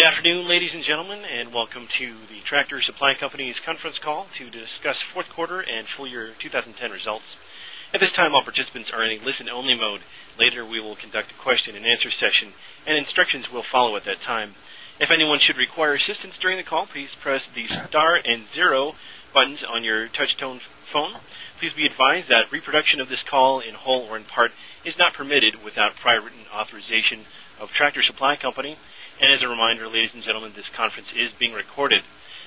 Afternoon, ladies and gentlemen, and welcome to the Tractor Supply Companies Conference Call to discuss 4th Quarter and Full Year twenty 10 Results. Please be advised that reproduction of this call in whole or in part is not permitted without prior written authorization of Tractor Supply Company. And as a reminder, ladies and gentlemen, this conference is being recorded.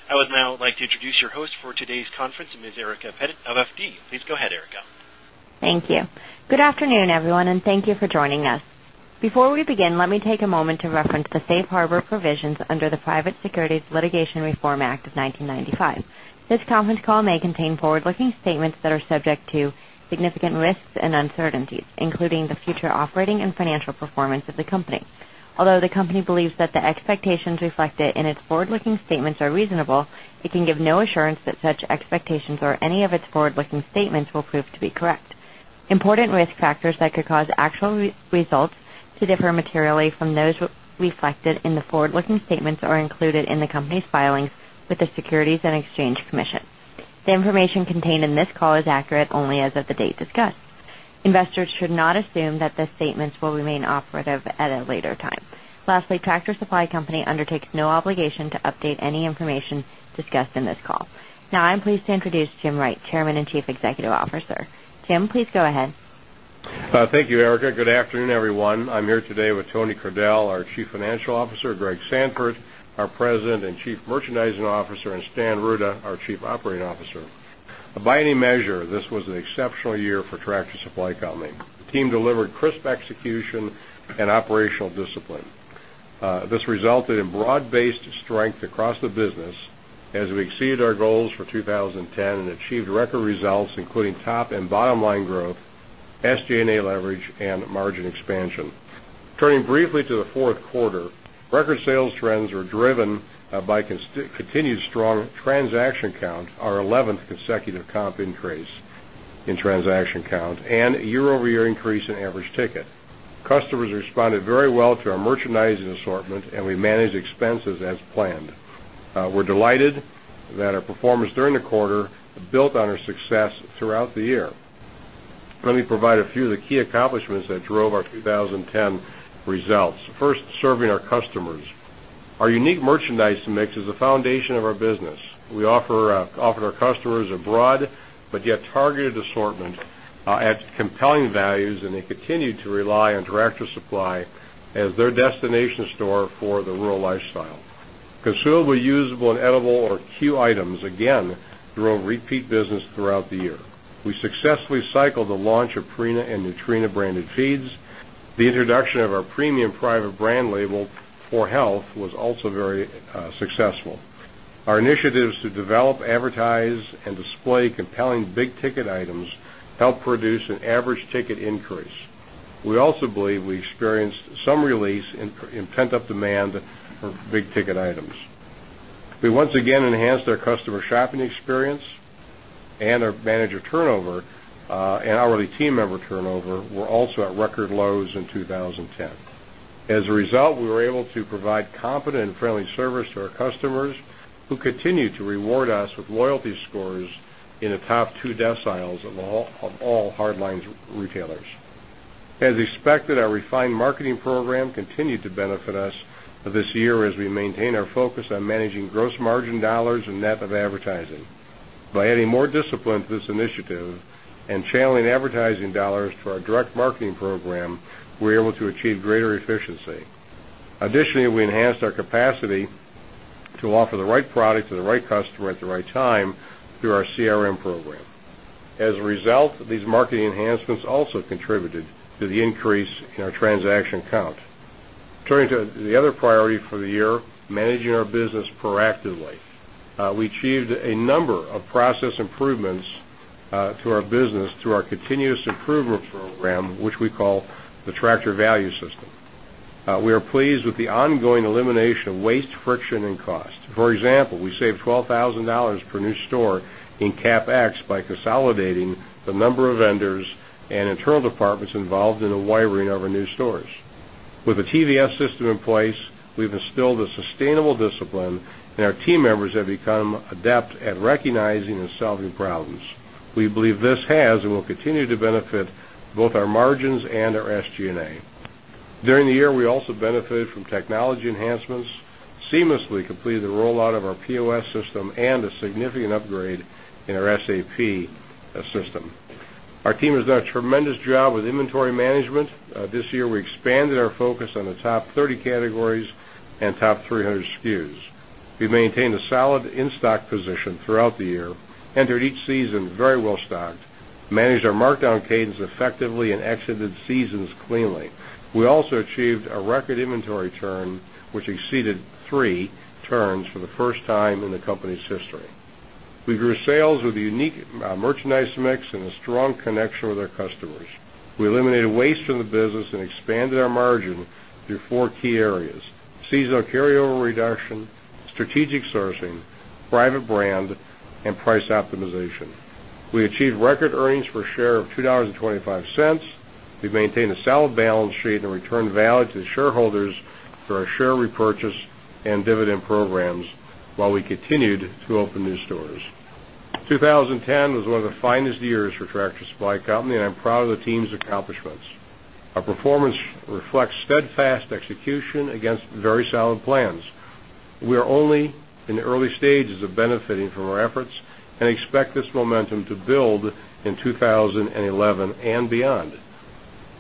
I would now like to introduce your host for today's conference, Ms. Erica Pettit of FD. Please go ahead, Erica. Thank you. Good afternoon, everyone, and thank you for joining us. Before we begin, let me take a moment to reference the Safe Harbor provisions under the Private Securities Litigation Reform Act of 1995. This conference call may contain forward looking statements that are subject to significant risks and uncertainties, including the future operating and financial performance of the company. Although the company believes that the expectations reflected in its forward looking statements are reasonable, it can give no assurance that such expectations or any of its forward looking statements will prove to be correct. Important risk factors that could cause actual results to differ materially from those reflected in the forward looking statements are included in the company's filings with the Securities and Exchange Commission. The information contained in this call is accurate only as of the date discussed. Investors should not assume that these statements will remain operative at a later time. Lastly, Tractor Supply Company undertakes no obligation to Now I'm pleased to introduce Jim Wright, Chairman and Chief Executive Officer. Jim, please go ahead. Thank you, Erica. Good afternoon, everyone. I'm here today with Tony Curdell, our Chief Financial Officer Greg Sanford, our President and Chief Merchandising Officer and Stan Rutta, our Chief Operating Officer. By any measure, this was an exceptional year for Tractor Supply Company. The team delivered crisp execution and operational discipline. This resulted in broad based strength across the business as we exceeded our goals for 2010 and achieved record results including top and bottom line growth, SG and A leverage and margin expansion. Turning briefly to the 4th quarter, record sales trends were driven by continued strong in transaction count and year over year increase in average ticket. Customers responded very well to our merchandising assortment and we managed expenses planned. We're delighted that our performance during the quarter built on our success throughout the year. Let me provide a few of the key accomplishments that drove our 20 10 results. 1st, serving our customers. Our unique merchandise mix is the foundation of our business. We offer our customers a broad, but yet targeted assortment and they continue to rely on Director's Supply as their destination store for the rural lifestyle. Consumable, usable and edible or cue items again drove repeat business throughout the year. We successfully cycled the launch of Parena and Nutrena branded feeds. The introduction of our premium private brand label For Health was also very successful. Our initiatives to develop, advertise and display compelling big ticket items produce an average ticket increase. We also believe we experienced some release in pent up demand for big ticket items. We once again enhanced our customer shopping experience and our manager turnover and hourly team member turnover were also at record lows in 2010. As a result, we were able to provide competent and friendly service to our customers who continue to reward us with loyalty scores in the top two deciles of all hardlines retailers. As expected, our refined marketing program continued to benefit us this year as we channeling advertising dollars to our direct marketing program, we're able to achieve greater efficiency. Additionally, we enhanced our capacity to offer the right product to the right customer at the right time through our CRM program. As a result, these marketing enhancements also contributed to the increase in our transaction count. Turning to the other priority for the year, managing our business proactively. We achieved a number of process improvements to our business through our continuous improvement program, which we call the Tractor Value System. We are pleased with the ongoing elimination of waste, friction and cost. For example, we saved $12,000 per new store in CapEx by consolidating the number of vendors and internal departments involved in the wiring of our new stores. With the TVS system in place, we've instilled a sustainable discipline and our team members have become adept at recognizing and solving problems. We believe this has and will continue to benefit both our margins and our SG and A. During the year, we also benefited from technology enhancements, seamlessly completed the rollout of our POS system and a significant upgrade in our SAP system. Our team has done a tremendous job with inventory management. This year, we expanded our focus on the top 30 categories and top 300 SKUs. We maintained a solid in stock position throughout the year, entered each season very well stocked, managed our markdown cadence effectively and exited seasons cleanly. We also achieved a record inventory turn, which exceeded 3 turns for the first time in the company's history. We grew sales with a unique merchandise mix and a strong connection with our customers. We eliminated waste from the business and expanded our margin through 4 key areas: CECL carryover reduction, strategic sourcing, private brand and price optimization. We achieved record earnings per share of $2.25 We maintained a solid balance sheet and returned value to the shareholders through our share repurchase and dividend programs, while we continued to open new stores. 2010 was one of the finest years for Tractor Supply Company and I'm proud of the team's accomplishments. Our performance reflects steadfast execution against very solid plans. We are only in the early stages of benefiting from our efforts and expect this momentum to build in 2011 and beyond.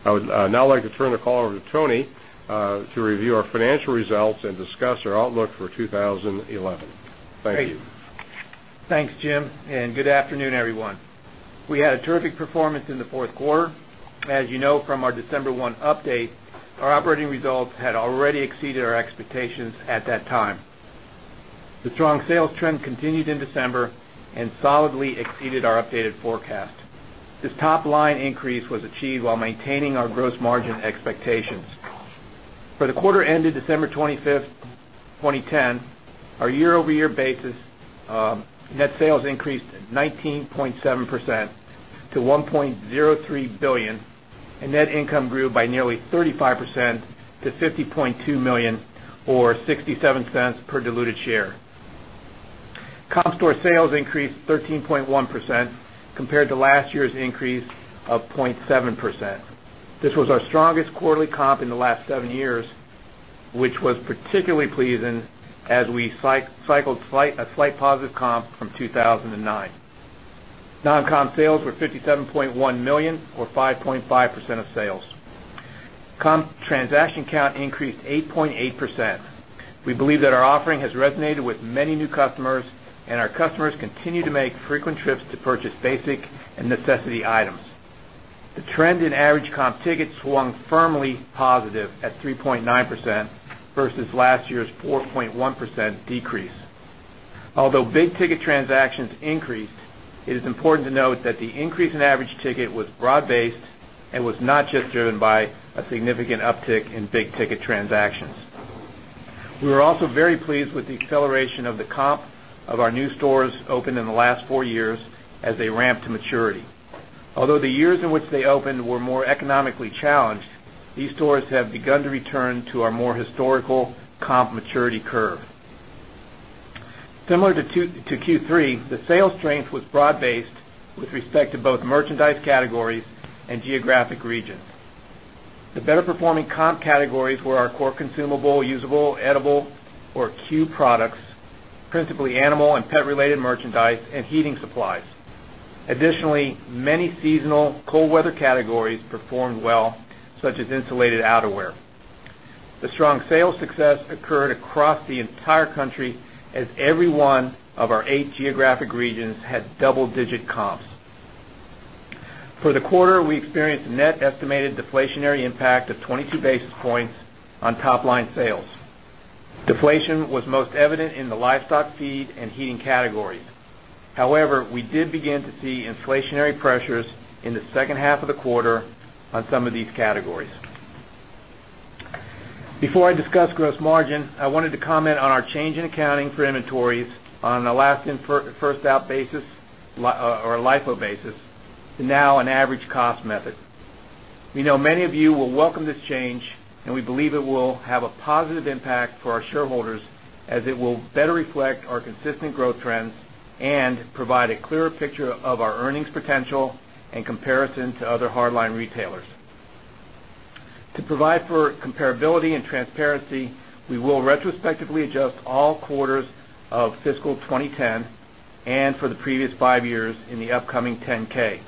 I would now like to turn the call over to Tony to review our financial results and discuss our outlook for 2011. Thank you. Thanks, Jim, and good afternoon, everyone. We had a terrific performance in the Q4. As you know from our December 1 update, our operating results had already exceeded our expectations at that time. The strong sales trend continued in December and solidly exceeded our updated forecast. This top line increase was achieved while maintaining our gross margin expectations. For the quarter ended December 25, 2010, our year over year basis, net sales increased 19.7% to $1,030,000,000 and net income grew by nearly 35 percent to 50,200,000 dollars or last year's increase of 0.7%. This was our strongest quarterly comp in the last 7 years, which was particularly pleasing as we cycled a slight positive comp from 2,009. Non comp sales were $57,100,000 or 5.5 percent of sales. Comp transaction count increased 8.8%. We believe that our offering has resonated with many new customers and customers continue to make frequent trips to purchase basic and necessity items. The trend in average comp tickets swung firmly positive at 3.9% versus last year's 4.1% decrease. Although big ticket transactions increased, it is important to note that the increase in average ticket was broad based and was not just driven by a significant uptick in big ticket transactions. We were also very pleased with the acceleration of the comp of our new stores opened in the last 4 years as they ramp to maturity. Although the years in which they opened were more economically challenged, these stores have begun to return to our more historical comp maturity curve. Similar to Q3, the sales strength was broad based with respect to both merchandise categories and geographic regions. The better performing comp categories were our core consumable, usable, edible or cue products, principally animal and related merchandise and heating supplies. Additionally, many seasonal cold weather categories performed well, such as insulated outerwear. The strong sales success occurred across the entire country as every one of our 8 geographic regions had double digit comps. For the quarter, we experienced net estimated deflationary impact of 22 basis points on top line sales. Deflation was most evident in the livestock feed and heating categories. However, we did begin to see inflationary pressures in the second half of the quarter on some of these categories. Before I discuss gross margin, I wanted to comment on our change in accounting for inventories on an Alaskan first out basis or a LIFO basis to now an average cost method. We growth trends and provide a clearer picture of our earnings potential and comparison to other hardline retailers. To provide for comparability and transparency, we will retrospectively adjust all quarters of fiscal 2010 and for the previous 5 years in the upcoming 10 ks.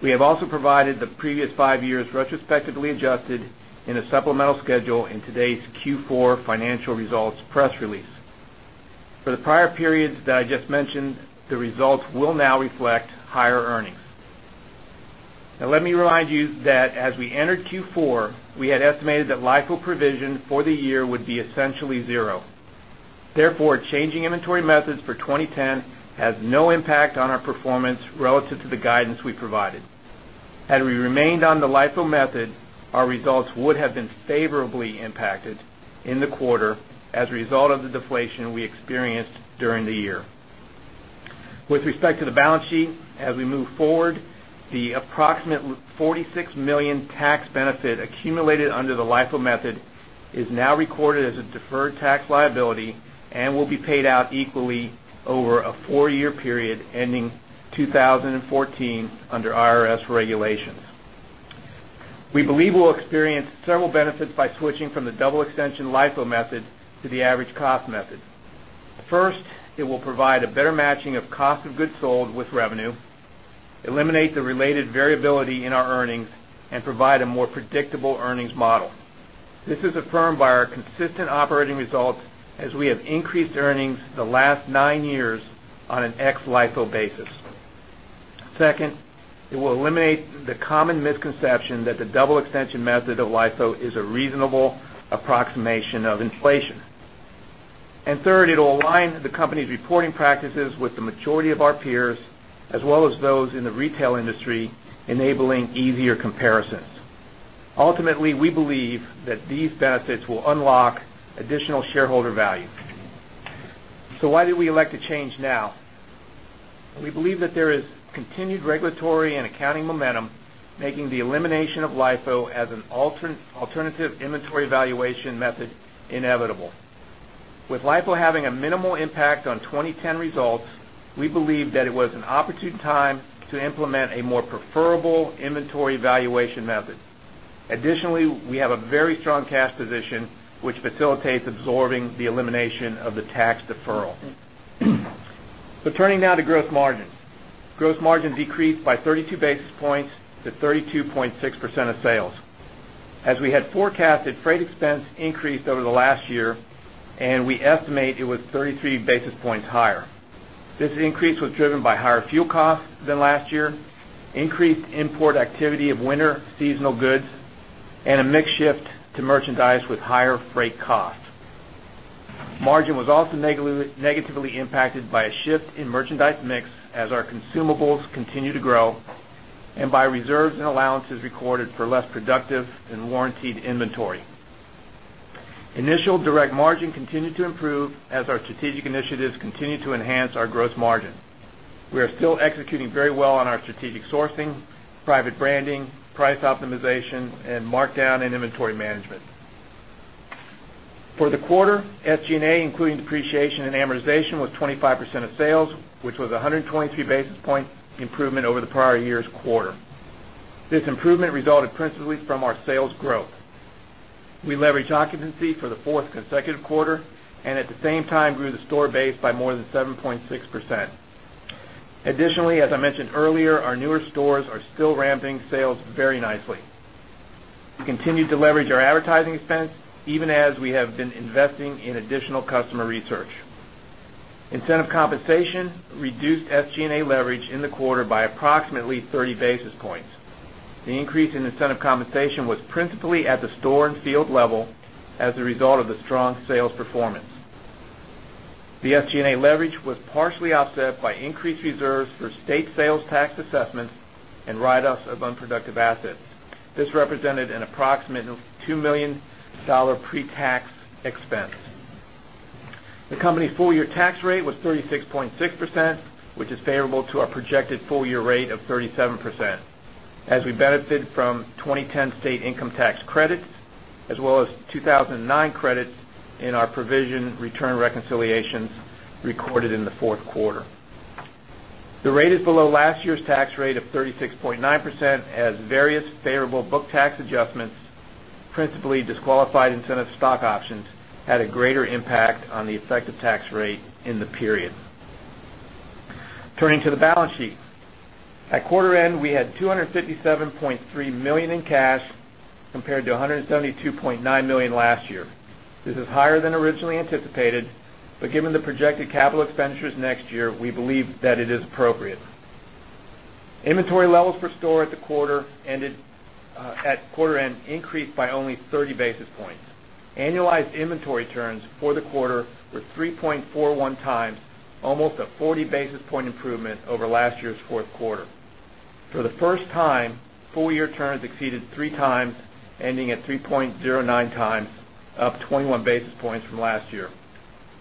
We have also provided the previous 5 years retrospectively adjusted in a supplemental schedule in today's Q4 financial results press release. For the prior periods that I just mentioned, the results will now reflect higher earnings. Now let me remind you that as we entered Q4, we had estimated that LIFO provision for the year would be essentially 0. Therefore, changing inventory methods for 2010 has no impact on our performance relative to the guidance we provided. Had we remained on the LIFO method, our results would have been favorably impacted in the quarter as a result of the deflation we experienced during the year. With respect to the balance sheet, as we move forward, the approximate $46,000,000 tax benefit accumulated under the LIFO method is now recorded as a deferred tax liability and will be paid out equally over a 4 year period ending 2014 under IRS regulations. We believe we'll experience several benefits by switching from the double extension LIFO method to the average cost method. First, it will provide a better matching of cost of goods sold with revenue, eliminate the related variability in our earnings and provide a more predictable earnings model. This is affirmed by our consistent operating results as we have increased earnings the last 9 years on an ex LIFO basis. 2nd, it will eliminate the common misconception that the double extension method of LIFO is a reasonable approximation of inflation. And third, it will align the company's reporting practices with the majority of our peers as well as those in the retail industry enabling easier comparisons. Ultimately, we believe that these benefits will unlock additional shareholder value. So why did we elect to change now? We believe that there is continued regulatory and accounting momentum making the elimination of LIFO as an alternative inventory valuation method inevitable. With LIFO having a minimal impact on 2010 results, we believe that it was an opportune time to implement a more preferable inventory valuation method. Additionally, we have a very strong cash position, which facilitates absorbing the elimination of the tax deferral. So turning now to gross margins. Gross margins decreased by and we estimate it was 33 basis points higher. This increase was driven by higher fuel costs than last year, increased import activity of winter seasonal mix as our consumables continue to grow and by reserves and allowances recorded for less productive and warrantied inventory. Initial direct margin continued to improve as our strategic initiatives continue to enhance our gross margin. We are still executing very well on our strategic sourcing, private branding, price optimization and markdown and inventory management. For the quarter, SG and A including depreciation and amortization was 25 percent of sales, which was 123 basis point improvement over the prior year's quarter. This improvement resulted principally from our sales growth. We leveraged occupancy for the 4th consecutive quarter and at the same time grew the store base by more than 7.6%. Additionally, as I mentioned earlier, our newer stores are still ramping sales very nicely. We continue to leverage our advertising expense even as we have been investing in additional customer research. Incentive compensation reduced SG and A leverage in the quarter by approximately 30 basis points. The increase in incentive compensation was principally at the store and field level as a result of the strong sales performance. The SG and A leverage was partially offset by increased reserves for state sales tax assessments and write offs of unproductive assets. This represented an approximate $2,000,000 pre tax expense. The company's full year tax rate was 36.6%, which is favorable to our projected full year rate of 37% as we benefited from 2010 state income tax credits as well as 2,009 credits in our provision return reconciliations recorded in the 4th quarter. The rate is below last year's tax rate of 36.9 percent as various favorable book tax adjustments, principally disqualified incentive stock options had a greater impact on the effective tax rate in the period. Turning to the balance sheet. At quarter end, we had $257,300,000 in cash compared to 172,900,000 dollars last year. This is higher than originally anticipated, but given the projected capital expenditures next year, we believe that it is appropriate. Inventory levels per store at the quarter ended at quarter end increased by only 30 basis points. Annualized inventory turns for the quarter were 3.41 times, almost a 40 basis point improvement over last year's Q4. For the first time, full year turns exceeded 3 times ending at 3.09 times, up 21 basis points from last year.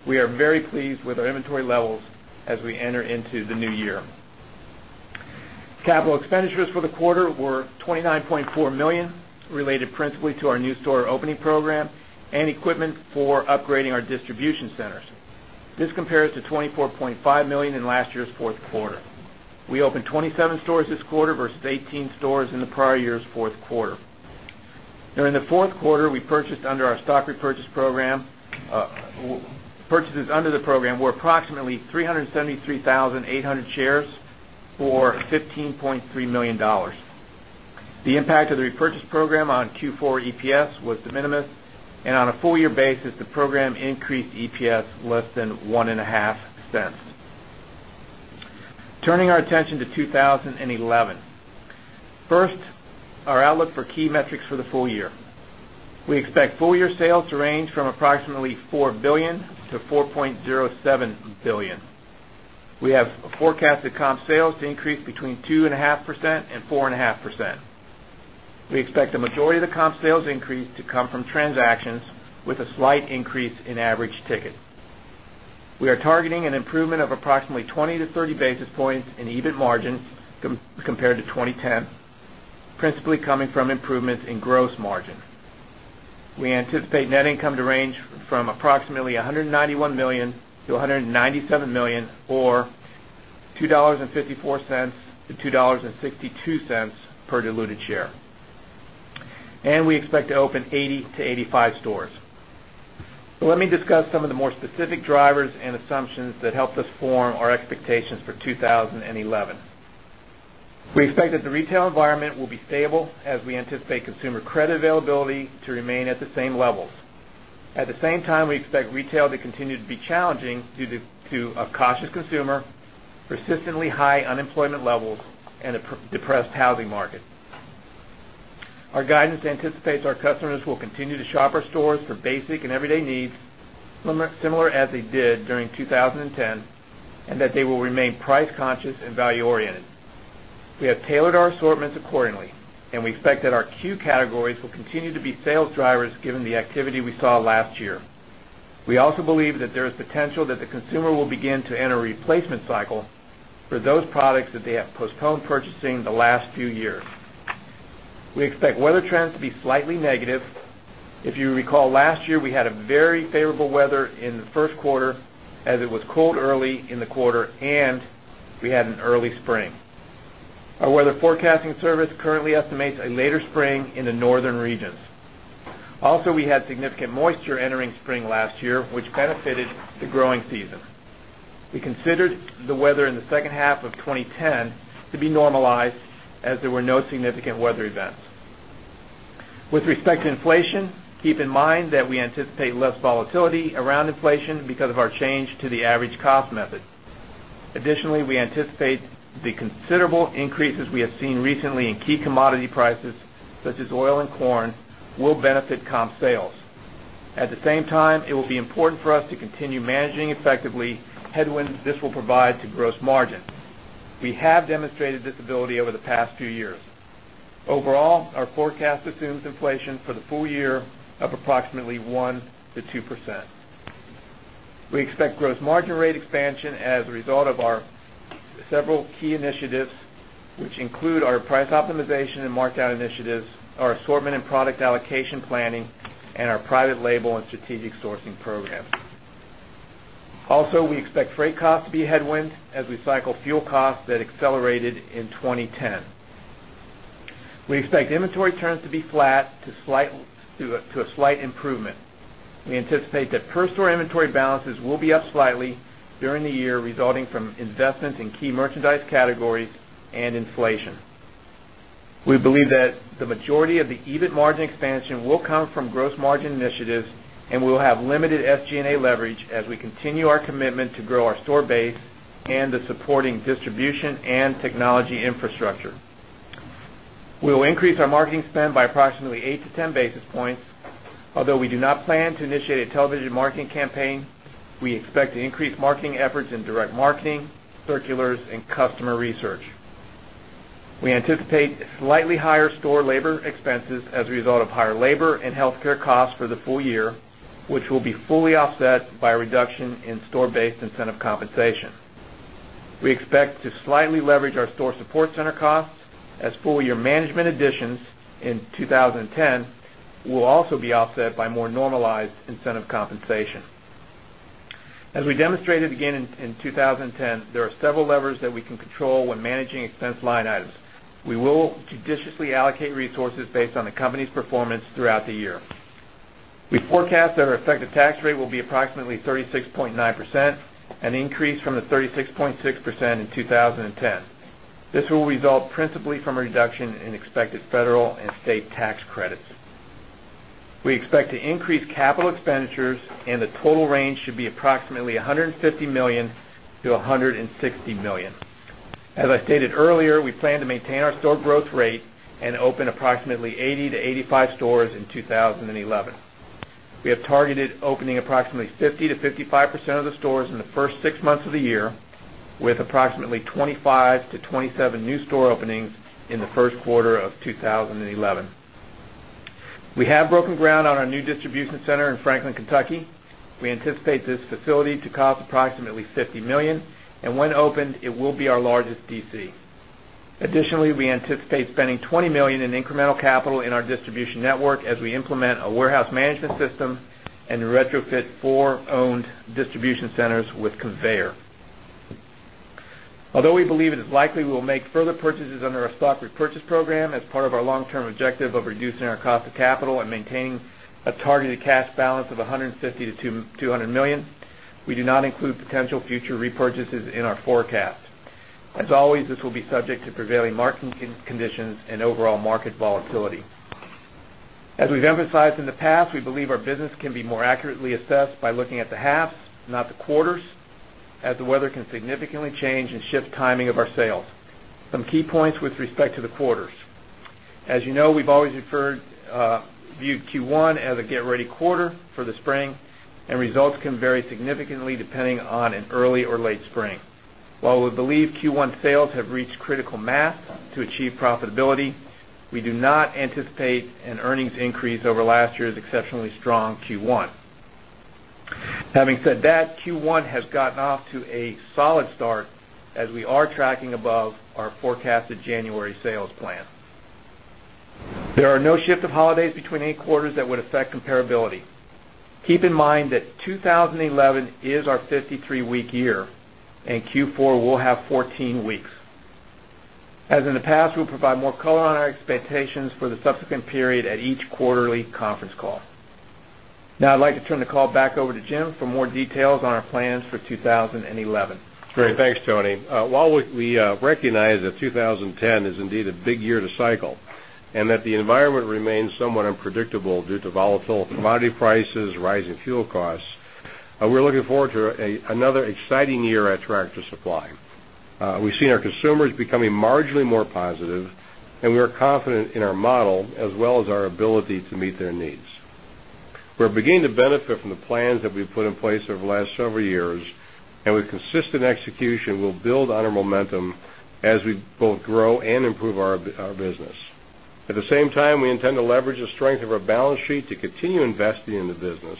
We are very pleased with our inventory levels as we enter into the New Year. Capital expenditures for the quarter were $29,400,000 principally to our new store opening program and equipment for upgrading our distribution centers. This compares to $24,500,000 in last year's Q4. We opened 27 stores this quarter versus 18 stores in the prior year's Q4. During the Q4, we purchased under our stock repurchase program purchases under the program were approximately 373,800 shares for $15,300,000 The impact of the repurchase program on Q4 EPS was de minimis and on a full year basis the program increased EPS less than 0.1 $5 Turning our attention to 2011. First, our outlook for key metrics for the full year. We expect full year sales to range from approximately $4,000,000,000 to 4,070,000,000 dollars We have forecasted comp sales to increase between 2.5% and 4.5%. We expect the majority of the comp sales increase to come from transactions with a slight increase in average ticket. We are targeting an improvement of approximately 20 to 30 basis points in EBIT margin compared to 2010, principally coming from improvements in gross margin. We anticipate net income to range from approximately 191,000,000 dollars to $197,000,000 or $2.54 to $2.62 per diluted share. And we expect to open 80 to 85 stores. Let me discuss some of the more specific drivers and assumptions that helped us form our expectations for 2011. We expect that the retail environment will be stable as we anticipate consumer credit availability to remain at the same levels. At the same time, we expect retail to continue to be challenging due to a cautious consumer, persistently high unemployment levels and a depressed housing market. Our guidance anticipates our customers will continue to shop our stores for basic and everyday needs similar as they did during 2010 and that they will remain price conscious and value oriented. We have tailored our assortments accordingly and we expect that our Q categories will continue to be sales drivers given the activity we saw last year. We also believe that there is potential that the consumer will begin to enter replacement cycle for those products that they have postponed purchasing the last few years. We expect weather trends to be slightly negative. If you recall last year, we had a very favorable weather in the Q1 as it was cold early in the quarter and we had an early spring. Our weather forecasting service currently estimates a later spring in the northern regions. Also, we had significant moisture entering spring last year, which benefited the growing season. We considered the weather in the second half of twenty ten be normalized as there were no significant weather events. With respect to inflation, keep in mind that we anticipate less volatility around inflation because of our change to the average cost method. Additionally, we anticipate the considerable increases we have seen recently in commodity prices such as oil and corn will benefit comp sales. At the same time, it will be important us to continue managing effectively headwinds this will provide to gross margin. We have demonstrated this ability over the past few years. Overall, our forecast assumes inflation for the full year of approximately 1% to 2%. We expect gross margin rate expansion as a result of our several key initiatives, which include our price optimization and markdown initiatives, our assortment and product allocation planning and our private label and strategic sourcing program. Also, we expect freight costs to be a headwind as we cycle fuel costs that accelerated in 2010. We expect inventory turns to be flat to a slight improvement. We anticipate that per store inventory balances will be up slightly during the year resulting from investments in key merchandise categories and inflation. We believe that the majority of the EBIT margin expansion will come from gross margin initiatives and we will have limited SG and A leverage as we continue to grow our store base and the supporting distribution and technology infrastructure. We will increase our marketing spend by approximately 8 to 10 basis points. Although we do not plan to initiate a television marketing campaign, we expect to increase marketing efforts in direct marketing, circulars and customer research. We anticipate slightly higher store labor expenses as a result of higher labor and healthcare costs for the full year, which will be fully offset by a reduction in store based incentive compensation. We expect to slightly leverage our store support center costs as full year management additions in 2010 will also be offset by more normalized incentive compensation. As we demonstrated again in 2010, there are several levers that we can control when managing expense line items. We will judiciously allocate resources based on the company's performance throughout the year. We forecast that our effective tax rate will be approximately 36.9%, an increase from the 36.6% in 2010. This will result principally from a reduction in expected federal and state tax credits. We expect to increase capital expenditures and the total range should be approximately $150,000,000 to 160,000,000 As I stated earlier, we plan to maintain our store growth rate and open approximately 80 to 85 stores in 2011. We have targeted opening approximately 50% to 55% of the stores in the 1st 6 months of the year with approximately 25 to 27 new store openings in the Q1 of 2011. We have broken ground on our new distribution center in Franklin, Kentucky. We anticipate this facility to cost approximately $50,000,000 and when opened it will be our largest DC. Additionally, we anticipate spending $20,000,000 in incremental capital in our distribution network as we implement a warehouse management system and retrofit 4 owned distribution centers with conveyor. Although we believe it is likely we will make further purchases under our stock repurchase program as part of our long term objective of reducing our cost of capital and maintaining a targeted cash balance of $150,000,000 to 200,000,000 dollars We do not include potential future repurchases in our forecast. As always, this will be subject to prevailing market conditions and overall market volatility. As we've emphasized in the past, we believe our business can be more accurately assessed by looking at the half, not the quarters, as the weather can significantly change and shift timing of our sales. Some key points with respect to the quarters. As you know, we've always referred viewed Q1 as a get ready quarter for the spring and results can vary significantly depending on an early or late spring. While we believe Q1 sales have reached critical mass to achieve profitability, we do not anticipate an earnings increase over last year's exceptionally strong Q1. Having said that, Q1 has gotten off to a solid start as we are tracking above our forecasted January sales plan. There are no shift of holidays between 8 quarters that would affect comparability. Keep in mind that 2011 is our 53 week year and Q4 will have 14 weeks. As in the past, we will provide more color on our expectations for the subsequent period at each quarterly conference call. Now I'd like to turn the call back over to Jim for more details on our plans for 2011. Great. Thanks, Tony. While we recognize that 2010 is indeed a big year to cycle and that the environment remains somewhat unpredictable due to volatile commodity prices, rising fuel costs, we're looking forward to another exciting year at Tractor Supply. We've seen our consumers becoming marginally more positive and we are confident in our model as well as our ability to meet their needs. We're beginning to benefit from the plans that we've put in place over the last several years and with consistent execution, we'll build on our momentum as we both grow and improve our business. At the same time, we intend to leverage the strength of our balance sheet to continue investing in the business,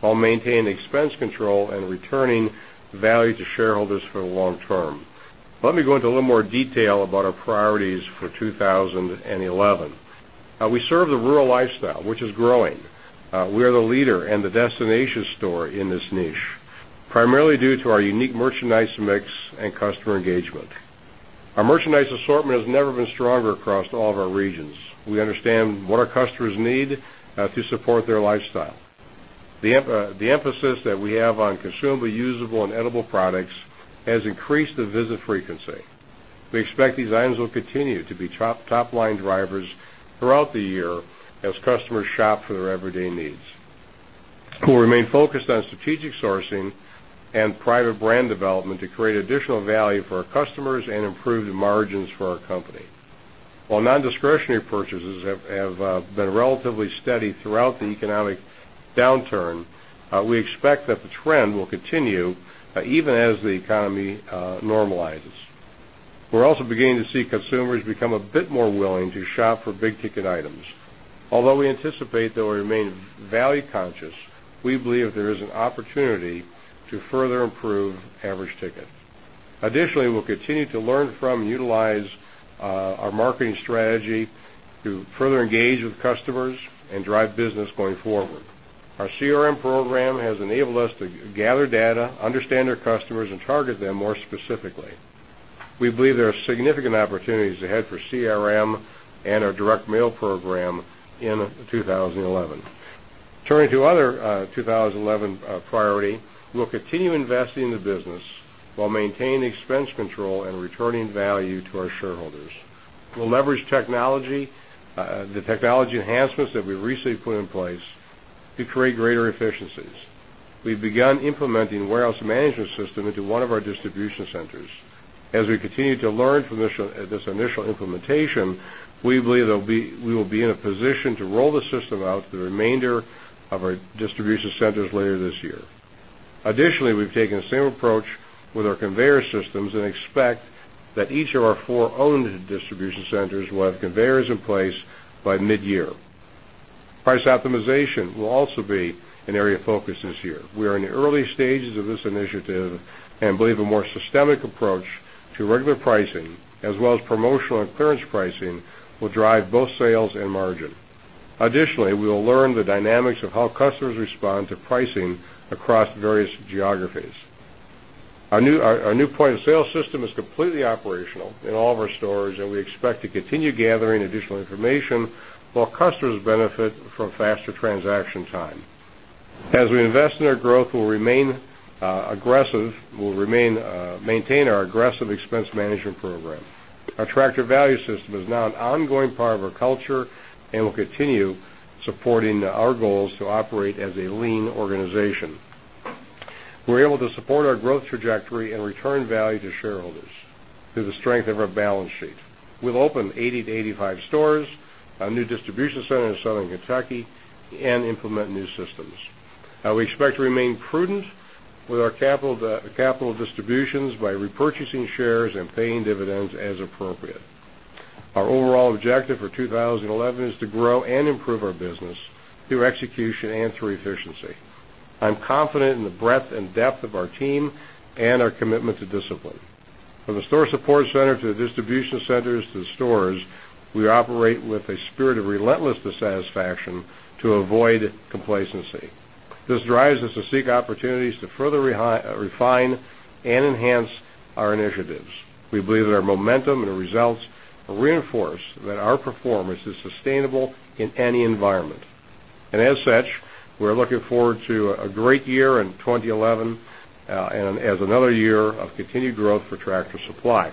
while maintaining expense control and returning value to shareholders for the long term. Let me go into a little more detail about our priorities for 2011. We serve the rural lifestyle, which is growing. We are the leader and the destination store in this niche, primarily due to our unique merchandise mix and customer engagement. Our merchandise assortment has never been stronger across all of our regions. We understand what our customers need to support their lifestyle. The emphasis that we have on consumable, usable and edible products has increased the visit frequency. We expect these items will continue to be top line drivers throughout the year as customers shop for their everyday needs. We'll remain focused on strategic sourcing and private brand development to create additional value for our customers and improve the margins for our company. While non discretionary purchases have been relatively steady throughout the economic downturn, we expect that the trend will continue even as the economy normalizes. We're also beginning to see consumers become a bit more willing to shop for big ticket items. Although we anticipate that we remain value conscious, we believe there is an opportunity to further improve average ticket. Additionally, we'll continue to learn from and utilize our marketing strategy to further engage with customers and drive business going forward. Our CRM program has enabled us to gather data, understand our customers and target them more specifically. We believe there are significant opportunities ahead for CRM and our direct mail program in 2011. Turning to other 2011 priority, we'll continue investing in the business while maintaining expense control and returning value to our shareholders. We'll leverage technology, the technology enhancements that we've recently put in place to create greater efficiencies. We've begun implementing warehouse management system into one of our distribution centers. As we continue to learn from this initial implementation, we believe that we will be in a position to roll the system out for the remainder of our distribution centers later this year. Additionally, we've taken the same approach with our conveyor systems and expect that each of our 4 owned distribution centers will have conveyors in place by mid year. Price optimization will also be an area of focus this year. We are in the early stages of this initiative and believe a more systemic approach to regular pricing as well as promotional and clearance pricing will drive both sales and margin. Additionally, we will learn the dynamics of how customers respond to pricing across various geographies. Our new point of sale system is completely operational in all of our stores and we expect to continue gathering additional information while customers benefit from faster transaction time. As we invest in our growth, we'll remain aggressive we'll maintain our aggressive expense management program. Our Tractor Value system is now an ongoing part of our culture and will continue supporting our goals to operate as a lean organization. We're able to support our growth trajectory and return value to shareholders through the strength of our balance sheet. We'll open 80 to 85 stores, a new distribution center in Southern Kentucky and implement new systems. We expect to remain prudent with our capital distributions by repurchasing shares and paying dividends as appropriate. Our overall objective for 2011 is to grow and improve our business through execution and through efficiency. I'm confident in the breadth and depth of our team and our commitment to discipline. From the store support center to the distribution centers to the stores, we operate with a spirit of relentless dissatisfaction to avoid complacency. This drives us to seek opportunities to further refine and enhance our initiatives. We believe that our momentum and results reinforce that our performance is sustainable in any environment. And as such, we're looking forward to a great year in 2011 and as another year of continued growth for Tractor Supply.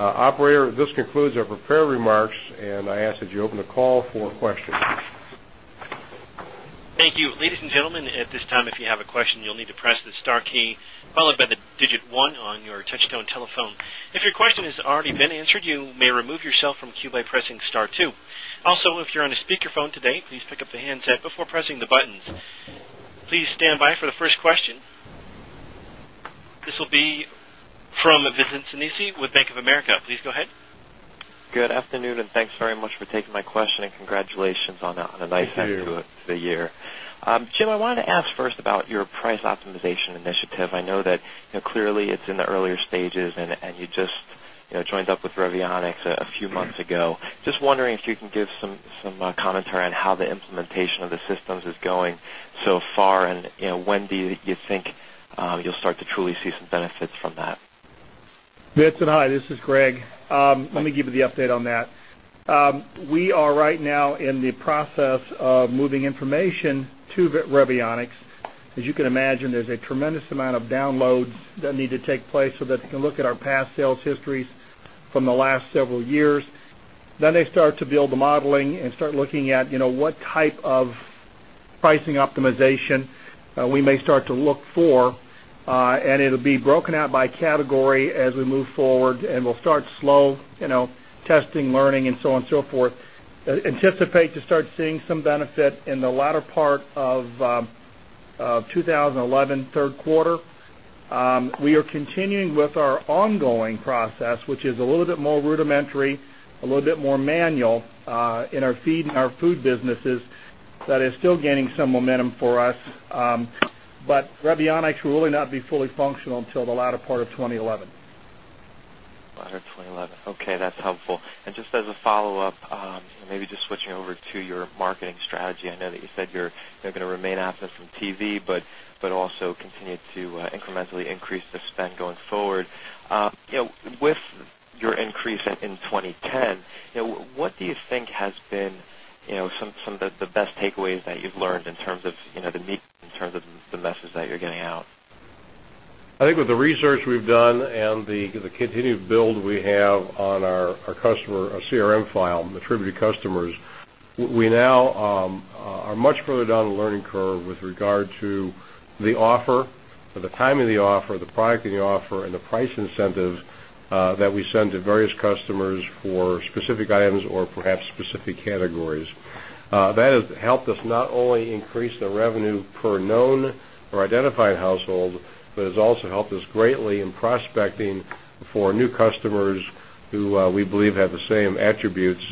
Operator, this concludes our prepared remarks and I ask that you open the call for questions. Thank Good afternoon and thanks very much for taking my question and congratulations on a nice view to the year. Jim, I wanted to ask first about your price optimization initiative. I know that clearly it's in the earlier stages and you just joined up with Revionics a few months ago. Just wondering if you can give some commentary on how the implementation of the systems is going so far and when do you think you'll start to truly see some benefits from that? Vincent, hi, this is Greg. Let me give you the update on that. We are right now in the process of moving information to Revionix. As you can imagine, there's a tremendous amount of downloads that need to take place so that you can look at our past sales histories from the last several years. Then they start to build the modeling and start looking at what type of pricing optimization we may start to look for and it will be broken out by category as we move forward and we'll start slow testing, learning and so on and so forth. Anticipate to start seeing some benefit in the latter part of of 2011 Q3. We are continuing with our ongoing process, which is a little bit more rudimentary, a little bit more manual in our feed and our food businesses that is still gaining some momentum for us. But Revionix will really not be fully functional until the latter part of 2011. Later 2011. Okay, that's helpful. And just as a follow-up, maybe just switching over to your marketing strategy, I know that you said you're going to remain absent from TV, but also continue to incrementally increase the spend going forward. With your increase in 2010, what do you think has been some of the best takeaways that you've learned in terms of the message that you're getting out? I think with the research we've done and the continued build we have on our CRM file, attributed customers, we now are much further down the learning curve with regard to the offer, the timing of the offer, the product in the offer and the price incentives that we send to various customers for specific items or perhaps specific categories. That has helped us not only increase the revenue per known or identified household, but has also helped us greatly in prospecting for new customers who we believe have the same attributes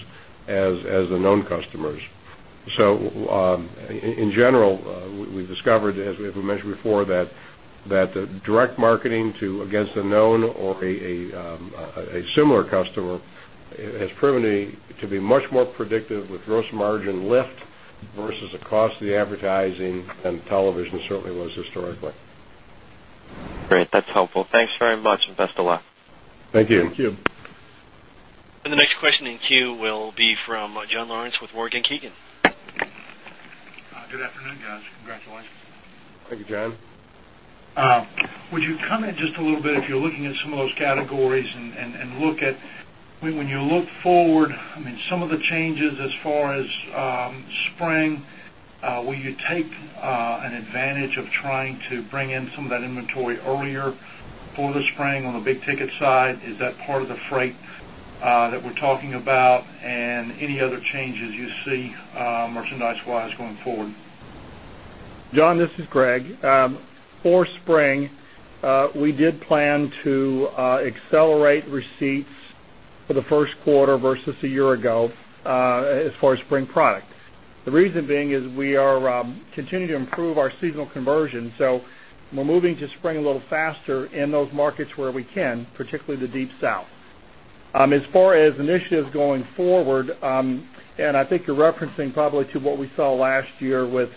as the known customers. So, in general, we've discovered, as we have mentioned before, that the direct marketing to against the known or a similar customer has proven to be much more predictive with gross margin lift versus the cost of the advertising than television certainly was historically. Great. That's helpful. Thanks very much and best of luck. Thank you. Thank you. And the next question in queue will be from John Lawrence with Morgan Keaygan. Good afternoon, guys. Congratulations. Thank you, John. Would you comment just a little bit if you're looking at some of those categories and look at when you look forward, I mean, some of the changes as far as spring, will you take an advantage of trying to bring in some of that inventory earlier for the spring on the big ticket side? Is that part of the freight that we're talking about? And any other changes you see merchandise wise going forward? John, this is Greg. For spring, we did plan to accelerate receipts for the Q1 versus a year ago as far as spring product. The reason being is we are continuing to improve our seasonal conversion. So we're moving to spring a little faster in those markets where we can, particularly the Deep South. As far as initiatives going forward, I think you're referencing probably to what we saw last year with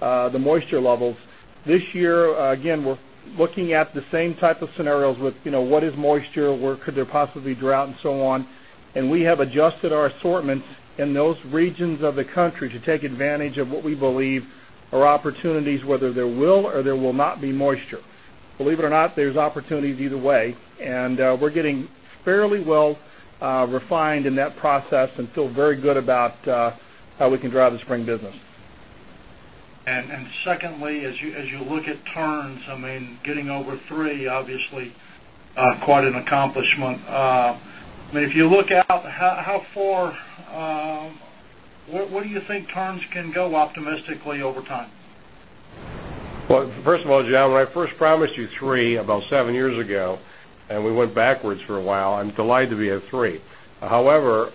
the moisture levels. This year, again, we're looking at the same type of scenarios with what is moisture, where could there possibly drought and so on. And we have adjusted our assortments in those regions of the country to take advantage of what we believe are opportunities whether there will or there will not be moisture. Believe it or not, there's opportunities either way and we're getting fairly well refined in that process and feel very good about how we can drive the spring business. And secondly, as you look at turns, I mean, getting over 3, obviously, quite an accomplishment. I mean, if you look out, how far what do you think turns can go optimistically over time? Well, first of all, John, when I first promised you 3 about 7 years ago and we went backwards for a while, I'm delighted to be at 3. However,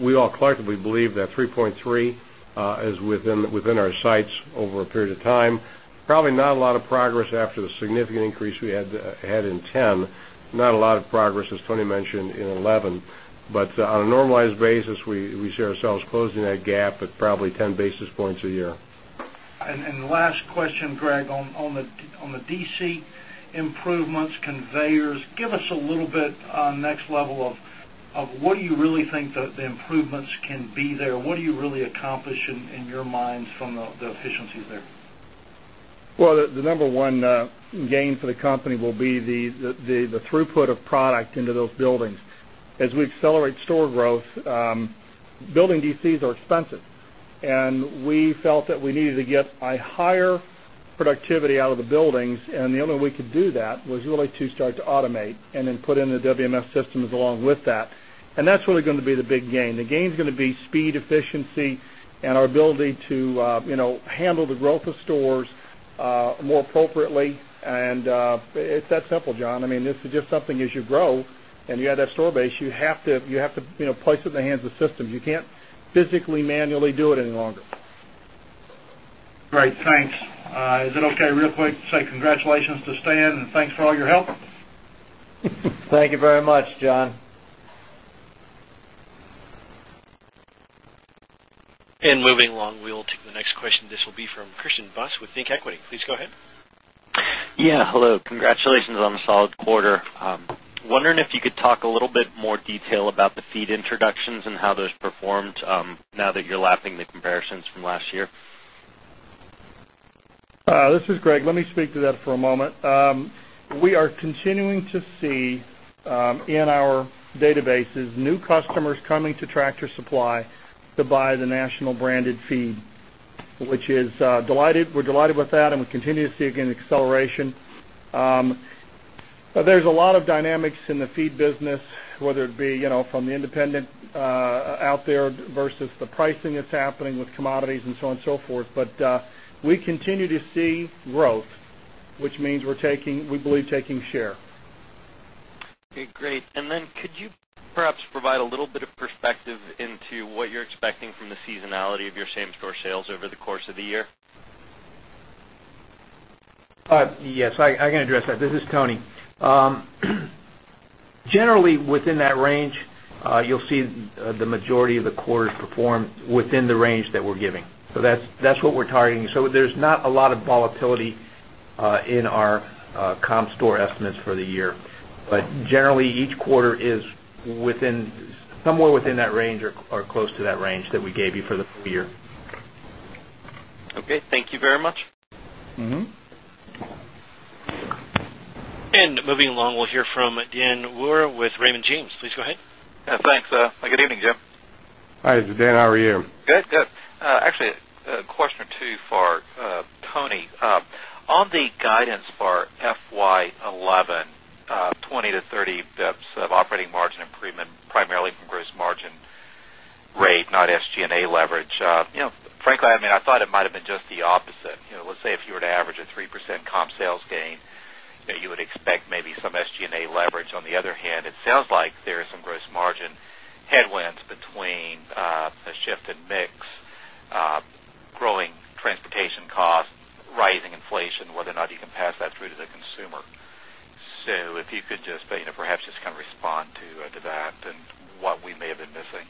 we all collectively believe that 3.3 is within our sites over a period of time, probably not a lot of progress after the significant increase we had in 'ten, not a lot of progress as Tony mentioned in 'eleven. But on a normalized basis, we see ourselves closing that gap at probably 10 basis points a year. And the last question, Greg, on the DC improvements, conveyors, give us a little bit next level what do you really think the improvements can be there? What do you really accomplish in your minds from the efficiencies there? Well, the number one gain for the company will be the throughput of product into those buildings. As we accelerate store growth, building DCs are expensive. And we felt that we needed to get a higher productivity out of the buildings. And the only way we could do that was really to start to automate and then put in the WMS systems along with that. And that's really going to be the big gain. The gain is going to be speed, efficiency and our ability to handle the growth of stores more appropriately. And it's that simple, John. I mean, this is just something as you grow and you have that store base, you have to place it in the hands of the system. You can't physically manually do it any longer. And moving along, we'll take the next question. This will be from Christian Bus with ThinkEquity. Please go ahead. Yes. Hello. Congratulations on the solid quarter. Wondering if you could talk a little bit more detail about the FEED introductions and how those performed now that you're lapping the comparisons from last year? This is Greg. Let me speak to that for a moment. We are continuing to see in our databases new customers coming to Tractor Supply to buy the national branded feed, which is delighted we're delighted with that and we continue to see again acceleration. But there's a lot of dynamics in the feed business, be from the independent out there versus the pricing that's happening with commodities and so on and so forth. But we continue to see growth, which means we're taking we believe taking share. Okay, great. And then could you perhaps provide a little bit of perspective into what you're expecting from the seasonality of your same store sales over the course of the year? Yes, I can address that. This is Tony. Generally, within that range, you'll see the majority of the quarters performed within the range that we're giving. So that's what we're targeting. So there's not a lot of volatility in our comp store estimates for the year. But generally, each quarter is within somewhere within that range or close to that range that we gave you for the full year. Okay, thank you very much. And moving along, we'll hear from Dan Wuhrer with Raymond James. Please go ahead. Thanks. Good evening, Jim. Hi, Dan. How are you? Good. Actually, a question or 2 for Tony. On the guidance for FY 2011, 20 to 30 bps of operating margin improvement, primarily from gross margin rate, not SG and A leverage. Frankly, I mean, I thought it might have been just the opposite. Let's say, if you were to average a 3% comp sales gain, you would expect maybe some SG and A leverage. On the other hand, it sounds like there is some gross margin headwinds between a shift in mix, growing transportation costs, rising inflation, whether or not you can pass that through to the consumer. So if you could just perhaps just kind of respond to that and what we may have been missing?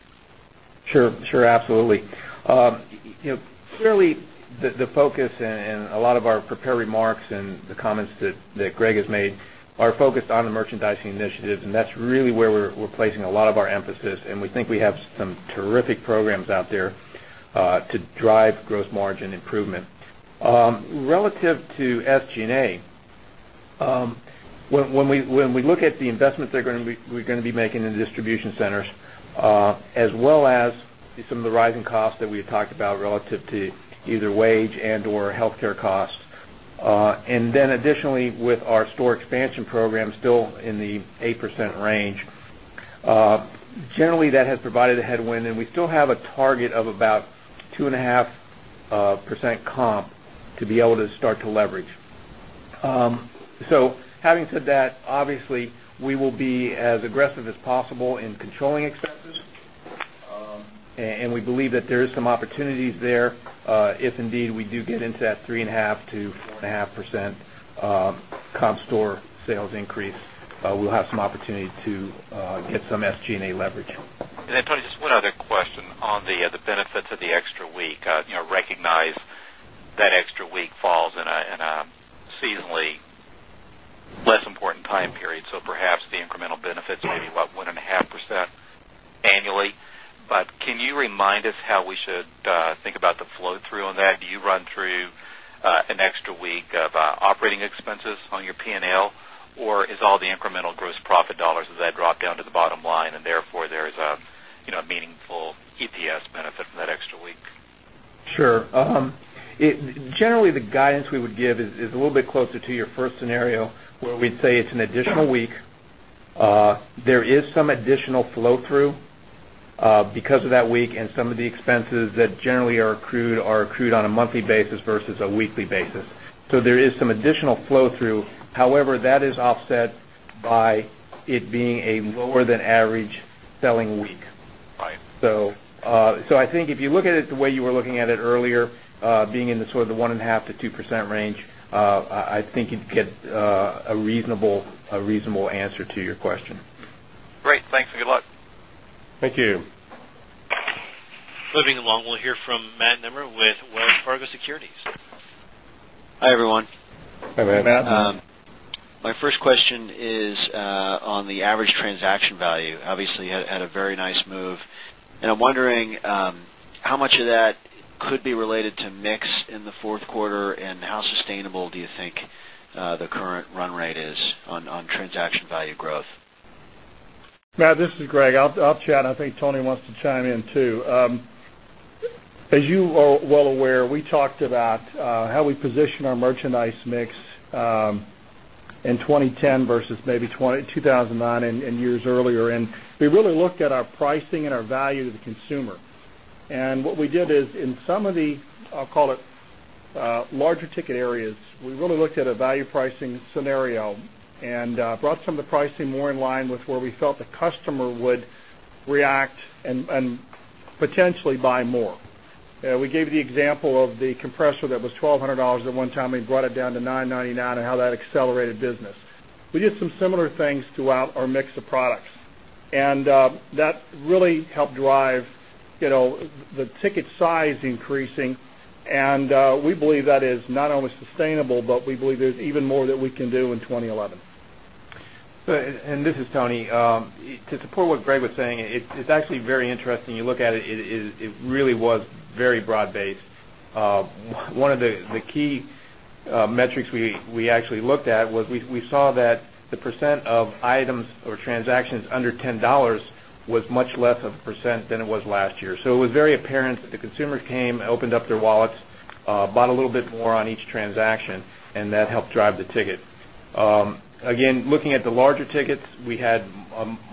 Sure, sure, absolutely. Clearly, the focus in a lot of our prepared remarks and the comments that Greg has made are focused on the merchandising initiatives and that's really where we're placing a lot of our emphasis and we think we have some terrific programs out there to drive gross margin improvement. Relative to SG and A, when we look at the investments they're going to be making in the distribution centers, as well as some of the rising costs that we have talked about relative to either wage and or healthcare costs. And then additionally with our store expansion program still in the 8% range, generally that has provided a headwind and we still have a target of about 2.5% comp to be able to start to leverage. So having said that, obviously, we will be as aggressive as possible in controlling expenses And we believe that there is some opportunities there. If indeed we do get into that 3.5% to 4.5% comp store sales increase, we'll have some opportunity to get some SG and A leverage. And then Tony, just one other question on incremental of operating of operating expenses on your P and L? Or is all the incremental gross profit dollars as that drop down to the bottom line and therefore there is a meaningful EPS benefit from that extra week? Sure. Generally, the guidance we would give is a little bit closer to your first scenario where we'd say it's an additional week. There is some additional flow through because of that week and some of the expenses that generally are accrued are accrued on a monthly basis versus a weekly basis. So, there is some additional flow through. However, that is offset by it being a lower than average selling week. So I think if you look at it the way you were looking at it earlier, being in the 1.5% to 2% range, I think you'd get a reasonable answer to your question. Great. Thanks and good luck. Thank you. Moving along, we'll hear from Matt Nimmer with Wells Fargo Securities. Hi, everyone. Hi, Matt. My first question is on the average transaction value. Obviously, you had a very nice move. And I'm wondering how much of that could be related to mix in the Q4? And how sustainable do you think the current run rate is on transaction value growth? Matt, this is Greg. I'll chat. I think Tony wants to chime in too. As you are well aware, we talked about how we position our merchandise mix in 2010 versus maybe 2,009 and years earlier. And we really looked at our pricing and our value to the consumer. And what we did is in some of the, I'll call it, larger ticket areas, we really looked at a value pricing scenario and brought some of the pricing more in line with where we felt the customer would react and potentially buy more. We gave you the example of the compressor that was $1200 at one time and brought it down to $9.99 and how that accelerated business. We did some similar things throughout our mix of products. And that really helped drive the ticket size increasing and we believe that is not only sustainable, but we believe there's even more that we can do in 2011. And this is Tony. To support what Greg was saying, it's actually very interesting. You look at it, it really was very broad based. One of the key metrics we actually looked at was we saw that the percent of items or transactions under $10 was much less of a percent than it was last year. So, it was very apparent that the consumers came and opened up their wallets, bought a little bit more on each transaction and that helped drive the ticket. Again, looking at the larger tickets, we had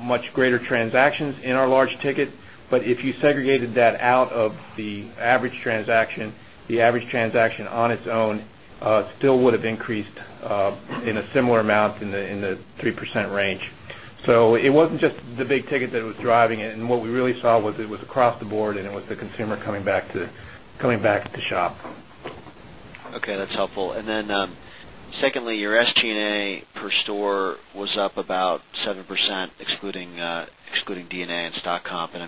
much greater transactions in our large ticket. But if you segregated that out of the average transaction, the average transaction on its own still would have increased in a similar amount in the 3% range. So it wasn't just the big ticket that was driving it. And what we really saw was it was across the board and it was the consumer coming back to shop. Okay. That's helpful. And then secondly, your SG and A per store was up about 7%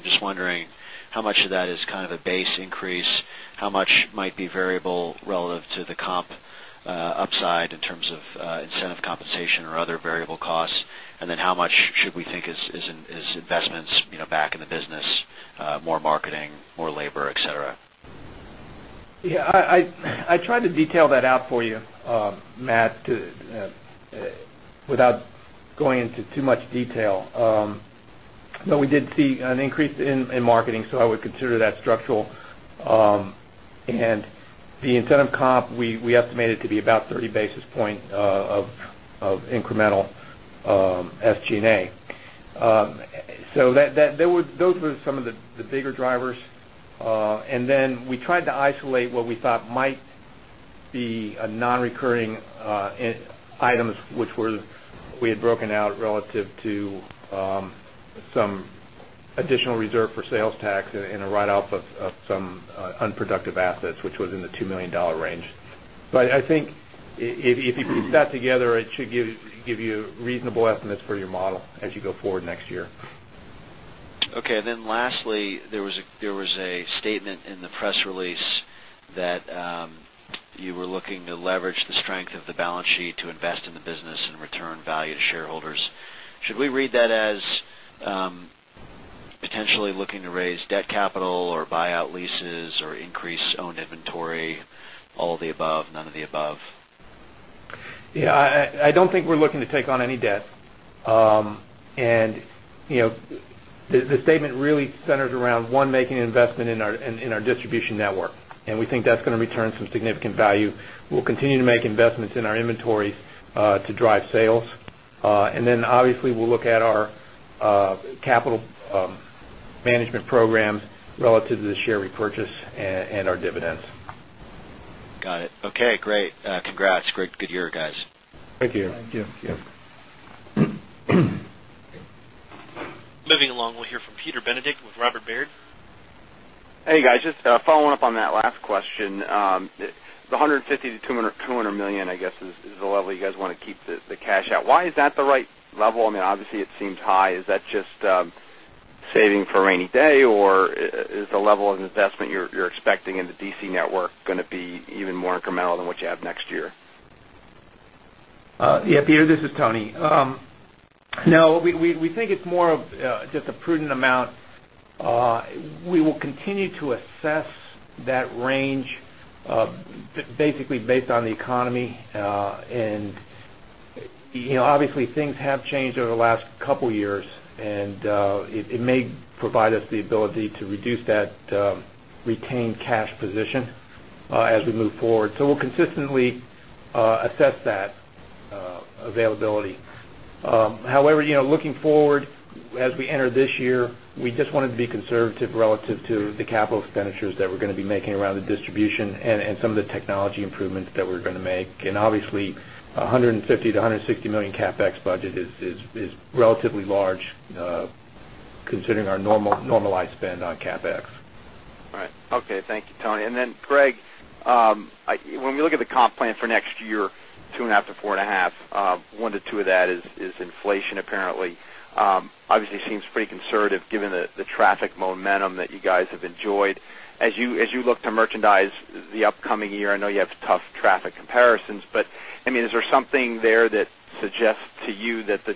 just wondering how much of that is kind of a base increase? How much might be variable relative to the comp upside in terms of incentive compensation or other variable costs? And then how much should we think is investments back in the business, more marketing, more labor, etcetera? Yes. I tried to detail that out for you, Matt, without going into too much detail. But we did see an increase in marketing. So I would consider that structural. And the incentive comp, we estimated to be about 30 basis point of incremental SG and A. So those were some of the bigger drivers. And then we tried to isolate what we thought might be nonrecurring items, which were we had broken out relative to some additional reserve for sales tax and a write off of some unproductive assets, which was in the $2,000,000 range. But I think if you put that together, it should give you reasonable estimates for your model as you go forward next year. Okay. And then lastly, there was a statement in the press release that you were looking to leverage the strength of the balance sheet to invest in the business and return value to shareholders. Should we read that as potentially looking to raise debt capital or buyout leases or increase owned inventory, all of the above, none of the above? Yes, I don't think we're looking to take on any debt. And the statement really centers around 1, making investment in our distribution network and we think that's going to return some significant value. We'll continue to make investments in our inventories to drive sales. And then obviously, we'll look at our capital management programs relative to the share repurchase and our dividends. Got it. Okay, great. Congrats. Good year, guys. Thank you. Thank you. Moving along, we'll hear from Peter Benedict with Robert Baird. Hey, guys. Just following up on that last question. The $150,000,000 to $200,000,000 I guess is the level you guys want to keep the cash out. Why is that the right level? I mean, obviously, it seems high. Is that just saving for a rainy day or is the level of investment you're expecting in the DC network going to be even more incremental than what you have next year? Yes, Peter, this is Tony. No, we think it's more of just a prudent amount. We will continue to assess that range basically based on the economy. And obviously, things have changed over the last couple of years. And it may provide us the ability to reduce that retained cash position as we move forward. So we'll consistently assess that availability. However, looking forward, as we enter this year, we just wanted to be conservative relative to the capital expenditures that we're going to be making around the distribution and some of the technology improvements that we're going to make. And obviously, dollars 150,000,000 to $160,000,000 CapEx budget is relatively large considering our normalized spend on CapEx. All right. Okay. Thank you, Tony. And then, Greg, when we look at the comp plan for next year, 2.5% to 4.5%, 1% to 2% of that is inflation apparently. Obviously, it seems pretty conservative given the traffic momentum that you guys have enjoyed. As you look to merchandise the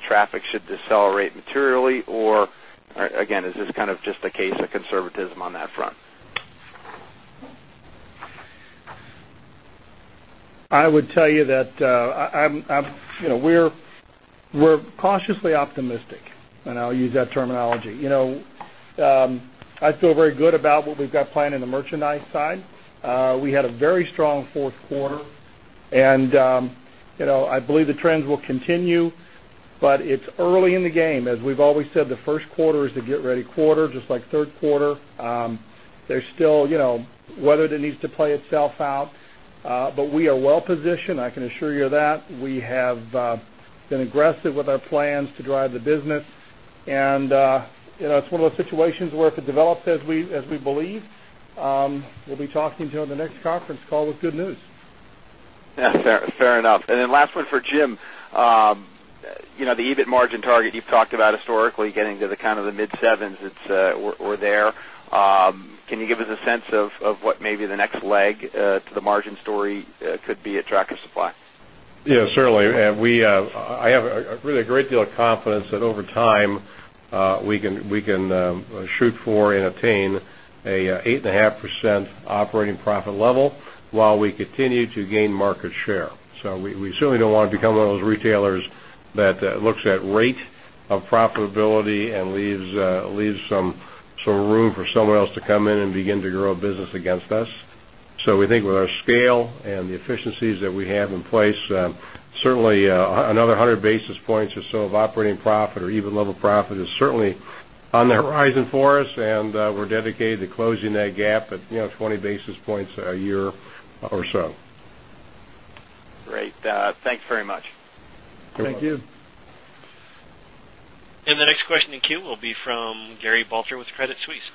traffic should decelerate materially or again, is this kind of just a case of conservatism on that front? I would tell you that I'm we're cautiously optimistic, and I'll use that terminology. I feel very good about what we've got planned in the merchandise side. We had a very strong Q4 and I believe the trends will continue, but it's early in the game. As we've always said, the Q1 is the get ready quarter, just like Q3. There's still weather that needs to play itself out, but we are well positioned. I can assure you that. We have been aggressive with our plans to drive the business. And it's one of those situations where if it develops as we believe, we'll be talking to you on the next conference call with good news. Yes, fair enough. And then last one for Jim. The EBIT margin target you've talked about historically getting to the kind of the mid-7s or there. Can you give us a sense of what maybe the next leg to the margin story could be at Tracker Supply? Yes, certainly. I have really a great deal of confidence that over time we can shoot for and attain 8 point 5% operating profit level, while we continue to gain market share. So, we certainly don't want to become one of those retailers that looks at rate of of profitability and leaves some room for someone else to come in and begin to grow business against us. So, we think with our scale and the efficiencies that we have in place, certainly another 100 basis points or so of operating profit or EBIT level profit is certainly on the horizon for us and we're dedicated to closing that gap at 20 basis points a year or so. Great. Thanks very much. Thank you. And the next question in queue will be from Gary Balter with Credit Suisse.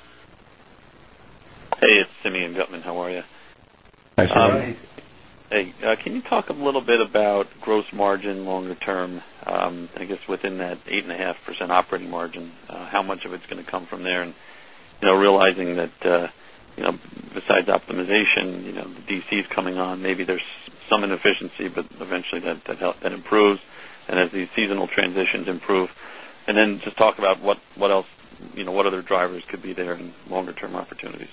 Hey, it's Simeon Gutman. How are you? Hi, Simeon. Can you talk a little bit about gross margin longer term, I guess within that 8.5% operating margin, how much of it's going to come from there? And realizing that besides optimization, DC is coming on, maybe there's some inefficiency, but eventually that improves and as these seasonal transitions improve. And then just talk about what else what other drivers could be there in longer term opportunities?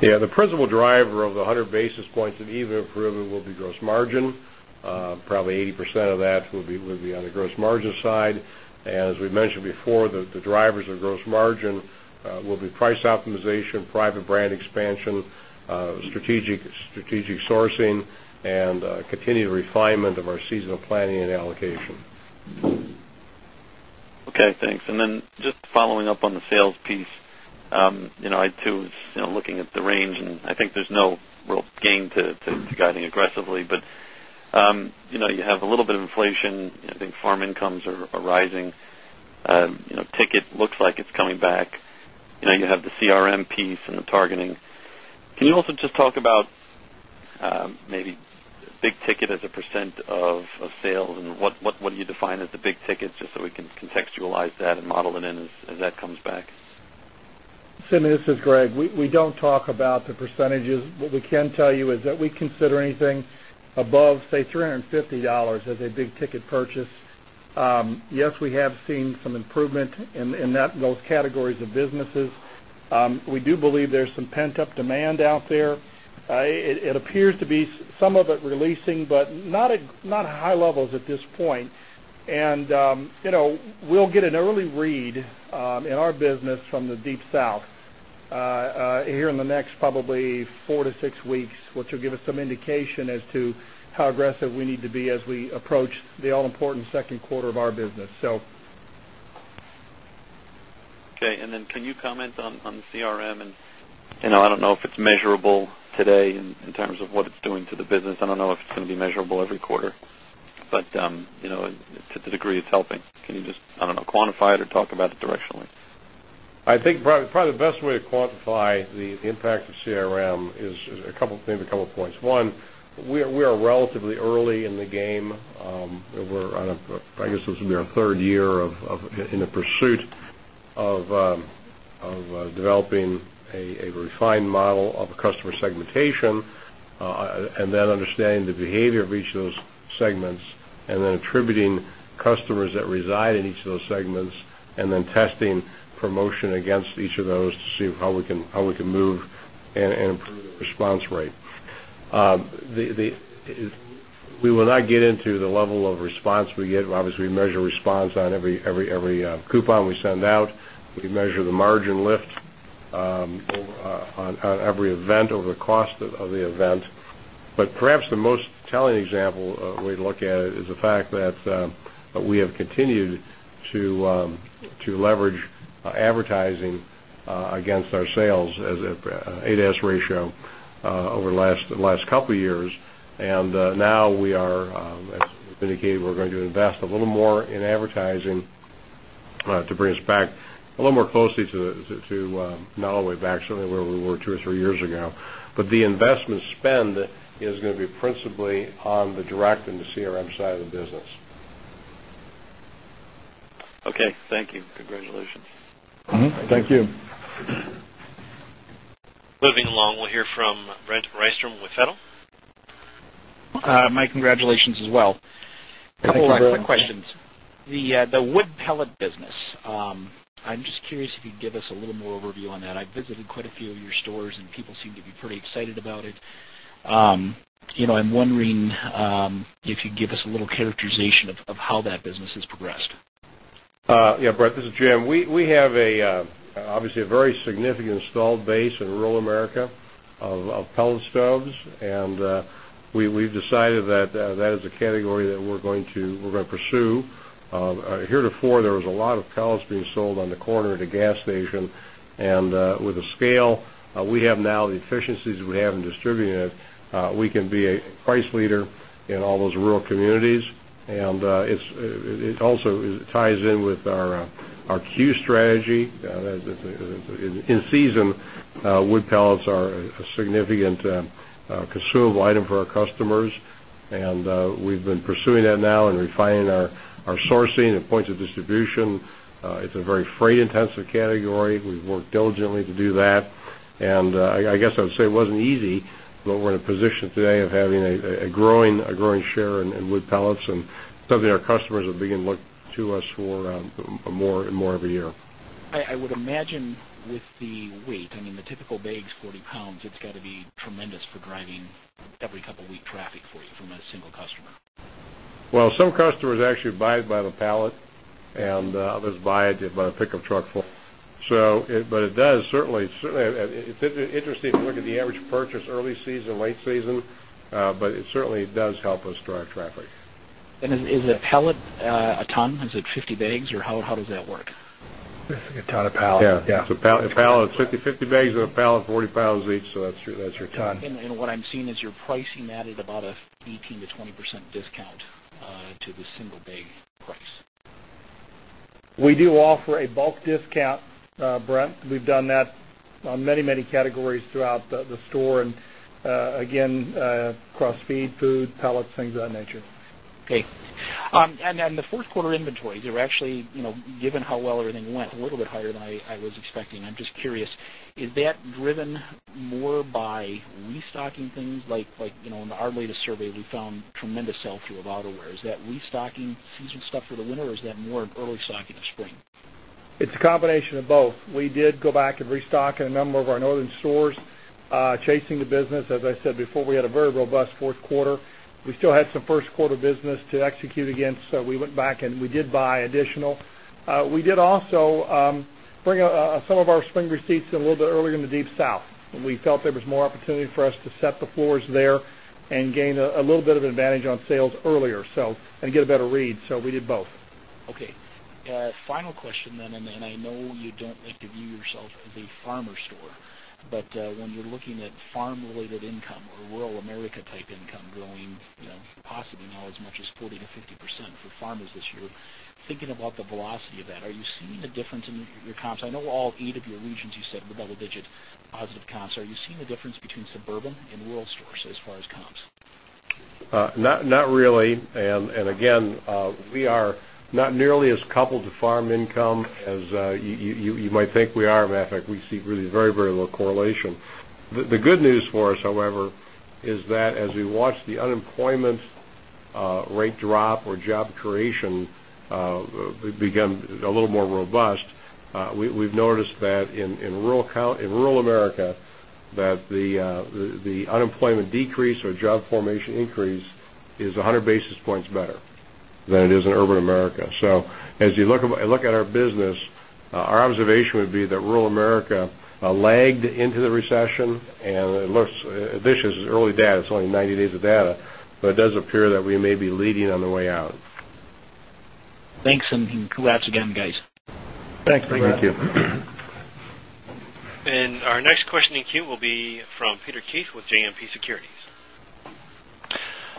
Yes. The principal driver of the 100 basis points of EBITDA improvement will be gross margin. Probably 80% of that will be on the gross margin side. As we mentioned before, the drivers of gross margin will be price optimization, private brand expansion, strategic sourcing and continued refinement of our seasonal planning and allocation. Okay, thanks. And then just following up on the sales piece, I too was looking at the range and I think there's no real gain to guiding aggressively, but you have a little bit of inflation, I think farm incomes are rising, ticket looks like it's coming back, you have the CRM piece and the targeting. Can you also just talk about maybe big ticket as a percent of sales and what do you define as the big ticket just so we can contextualize that and model it in as that comes back? Simeon, this is Greg. We don't talk about the percentages. What we can tell you is that we consider anything above, say, dollars 3.50 as a big ticket purchase. Yes, we have seen some improvement in that in those categories of businesses. We do believe there's some pent up demand out there. It appears to be some of it releasing, but not high levels at this point. And we'll get an early read in our business from the Deep South here in the next probably 4 to 6 weeks, which will give us some indication as to how aggressive we need to be as we approach the all important Q2 of our business. Okay. And then can you comment on CRM? And I don't know if it's measurable today in terms of what it's doing to the business. I don't know if it's going to be measurable every quarter, but to the degree it's helping. Can you just, I don't know, quantify it or talk about it directionally? I think probably the best way to quantify the impact of CRM is a couple of maybe a couple of points. 1, we are relatively early in the game. We're I guess this will be our 3rd year of in the pursuit of developing a refined model of customer segmentation and then understanding the behavior of each of those segments and then attributing customers that reside in each of those segments and then testing promotion against each of those to see how we can move and improve the response rate. We will not get into the level of response we get. Obviously, we measure response on every coupon we send out. We measure the margin lift on every event over the cost of the event. Perhaps the most telling example we look at it is the fact that we have continued to leverage advertising against our sales as ADAS ratio over the last couple of years. And now we are, as we've indicated, we're going to invest a little more in advertising to bring us back a little more closely to Norway back to where we were 2 or 3 years ago. But the investment spend is going to be principally on the direct and the CRM side of the business. Okay. Thank you. Congratulations. Thank you. Moving along, we'll hear from Brent Rystrom with FEDAL. My congratulations as well. Thanks, Brent. Couple of quick questions. The wood pellet business, I'm just curious if you could give us a little more overview on that. I visited quite a few of your stores and people seem to be pretty excited about it. I'm wondering if you could give us a little characterization of how that business has progressed? Yes, Brett, this is Jim. We have a obviously a very significant installed base in rural America of pellet stubs and we've decided that that is a category that we're going to pursue. Heretofore, there was a lot of pellets being sold on the corner at a gas station. And with the scale we have now, the efficiencies we have in distributing it, we can be a price leader in all those rural communities. And it also ties in with our Q strategy. In season, wood pellets are a significant consumable item for our customers. And we've been pursuing that now and refining our sourcing and points of distribution. It's a very freight intensive category. We've worked diligently to do that. And I guess I would say it wasn't easy, but we're in a position today of having a growing share in wood pellets and certainly our customers are beginning to look to us for more every year. I would imagine with the weight, I mean the typical bags 40 pounds it's got to be tremendous for driving every couple of week traffic for you from a single customer? Well, some customers actually buy it by the pallet and others buy it by the pickup truck. So, but it does certainly it's interesting if you look at the average purchase early season, late season, but it certainly does help us drive traffic. And is a pallet a ton? Is it 50 bags? Or how does that work? A ton of pallets. Yes. So pallet, bags of pallet, 40 pallets each. So that's your ton. And what I'm seeing is your pricing added about 18% to 20% discount to the single bag price? We do offer a bulk discount, Brent. We've done that on many, many categories throughout the store and again, cross feed, food, pallets, things of that nature. Okay. And then the Q4 inventories are actually given how well everything went a little bit higher than I was expecting. I'm just curious, is that driven more by restocking things like in our latest survey we found tremendous sell through of outerwear. Is that restocking season stuff for the winter or is that more early stocking of spring? It's a combination of both. We did go back and restock in a number of our Northern stores chasing the business. As I said before, we had a very robust Q4. We still had some Q1 business to execute against, so we went back and we did buy additional. We did also bring some of our spring receipts a little bit earlier in the Deep South. And we felt there was more opportunity for us to set the floors there and gain a little bit of advantage on sales earlier, so and get a better read. So we did both. Okay. Final question then, and I know you don't like to view yourself as a farmer store, but when you're looking at farm related income or rural America type income growing possibly now as much as 40% to 50% for farmers this year. Thinking about the velocity of that, are you seeing a difference in your comps? I know all 8 of your regions you said were double digit positive comps. Are you seeing the difference between suburban and world stores as far as comps? Not really. And again, we are not nearly as coupled to farm income as you might think we are. Matter of fact, we see really very, very little correlation. The good news for us, however, is that as we watch the unemployment rate drop or job creation become a little more robust, we've noticed that in rural America that the unemployment decrease or job formation increase is 100 basis points better than it is in urban America. So, as you look at our business, data, but it does appear that we may be leading on the way out. Okay. And then, data, but it does appear that we may be leading on the way out. Thanks and congrats again guys. Thanks, Brady. Thank you. And our next question in queue will be from Peter Keith with JMP Securities.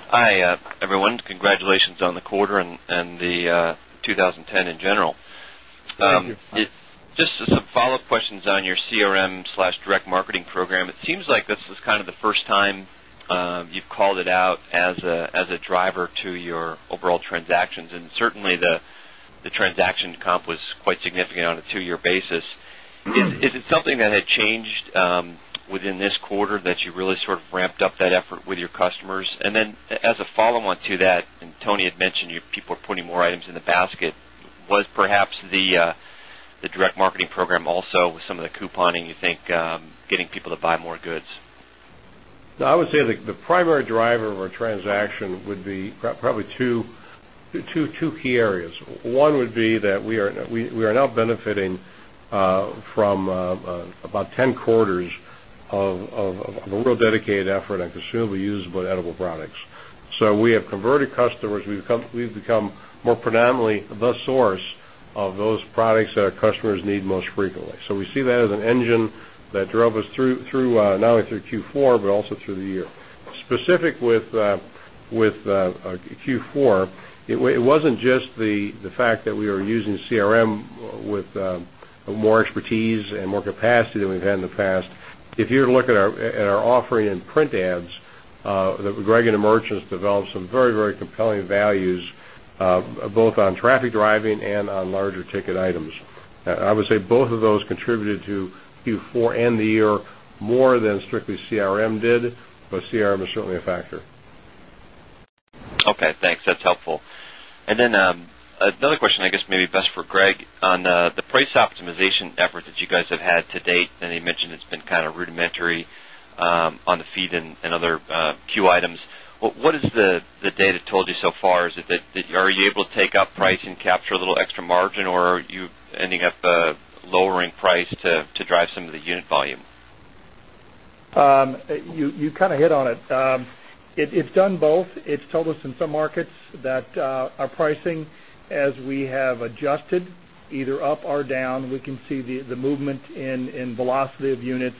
Hi, everyone. Congratulations on the quarter and the 2010 in general. Thank you. Just some follow-up questions on your CRMDirect marketing program. It seems like this is kind of the first time you've called it out as a driver to your overall transactions. And certainly, the transaction comp was quite significant on a 2 year basis. Is it something that had changed within this quarter that you really sort of ramped up that effort with your customers? And then as a follow on to that, and Tony had mentioned you people are putting more items in the basket, was perhaps the direct marketing program also with some of the couponing you think getting people to buy more goods? I would say the primary driver of our transaction would be probably 2 key areas. 1 would be that we are now benefiting from 10 quarters of a real dedicated effort on consumable usable edible products. So, we have converted customers. We've become more predominantly the source of those products that our customers need most Specific with Q4, it wasn't just the fact that we are using CRM with more expertise and more capacity than we've had in the past. If you look at our offering in print ads, the Greg and the merchants develop some very, very compelling values both on traffic driving and on larger ticket items. I would say both of those contributed to Q4 and the year more than strictly CRM did, but CRM is certainly a factor. Okay, thanks. That's helpful. And then another question, I guess, maybe best for Greg on the price optimization efforts that you guys have had to date and he mentioned it's been kind of rudimentary on the feed and other queue items. What is the data told you so far? Is it that are you able to take up pricing, capture a little extra margin or are you ending up lowering price to drive some of the unit volume? You kind of hit on it. It's done both. It's told us in some markets that our pricing, as we have adjusted either up or down, we can see the movement in velocity of units.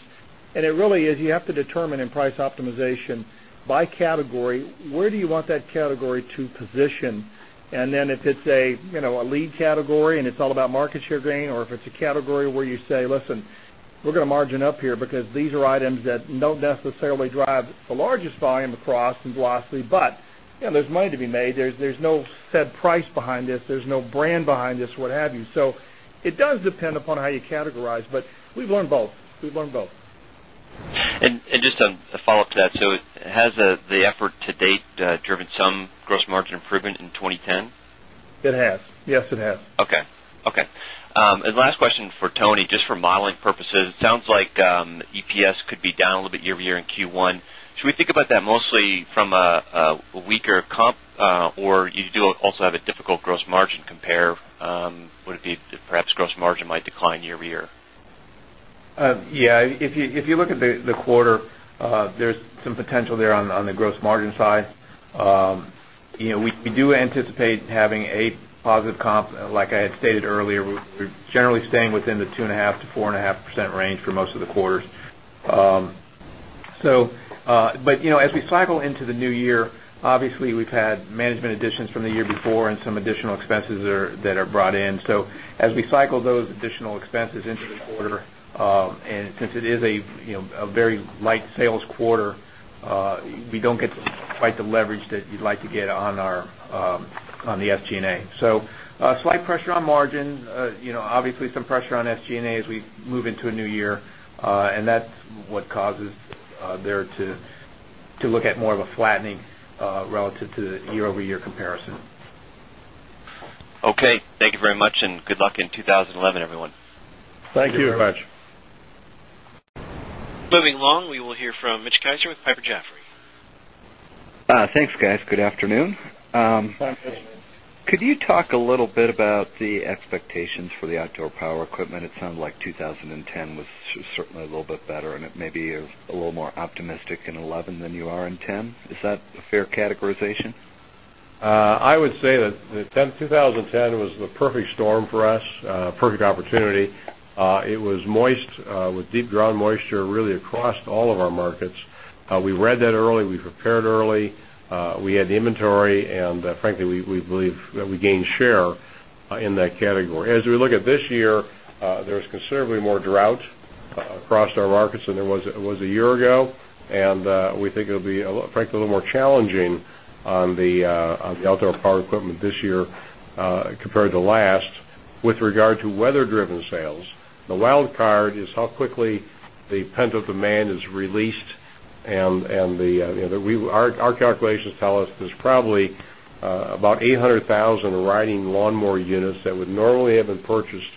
And it really is you have to determine in price optimization by category, where do you want that category to position. And then if it's a lead category and it's all about market share gain or if it's a category where you say, listen, we're going to margin up here because these are items that don't necessarily drive the largest volume across and velocity, but there's money to be made. There's no said price behind this. There's no brand behind this, what have you. So it does depend upon how you categorize, but we've learned both. We've learned both. And just a follow-up to that. So has the effort to date driven some gross margin improvement in 2010? It has. Yes, it has. Okay. And last question for Tony, just for modeling purposes, it sounds like EPS could be down a little bit year over year in Q1. Should we think about that mostly from a weaker comp or you do also have a difficult gross margin compare, would it be perhaps gross margin might decline year over year? Yes. If you look at the quarter, there is some potential there on the gross margin side. We do anticipate having a positive comp. Like I had stated earlier, we're generally staying within the 2.5% to 4.5% range for most of the quarters. So but as we cycle into the new year, obviously we've had management additions from the year before and some additional expenses that are brought in. So as we cycle those additional expenses into the quarter, and since it is a very light sales quarter, we don't get quite the leverage that you'd like to get on our on the SG and A. So slight pressure on margin, obviously some pressure on SG and A as we move into a new year and that's what causes there to look at more of a flattening relative to the year over year comparison. Okay. Thank you very much and good luck in 20 11 everyone. Thank you very much. Moving along, we will hear from Mitch Kiser with Piper Jaffray. Thanks guys. Good afternoon. Could you talk a little bit about the expectations for the outdoor power equipment? It sounds like 2010 was certainly a little bit better and it may be a little more optimistic in 2011 than you are in 2010. Is that a fair categorization? I would say that 2010 was the perfect storm for us, perfect opportunity. It was moist with deep ground moisture really across all of our markets. We read that early. We prepared early. We had inventory and frankly, we believe we gained share in that category. As we look at this year, there is considerably more drought across our markets than there was a year ago. And we think it will be frankly a little more challenging on the outdoor power equipment this year compared to last. With regard to weather driven sales, the wildcard is how quickly the pent up demand is released and the our calculations tell us there's probably about 800,000 riding lawnmower units that would normally have been purchased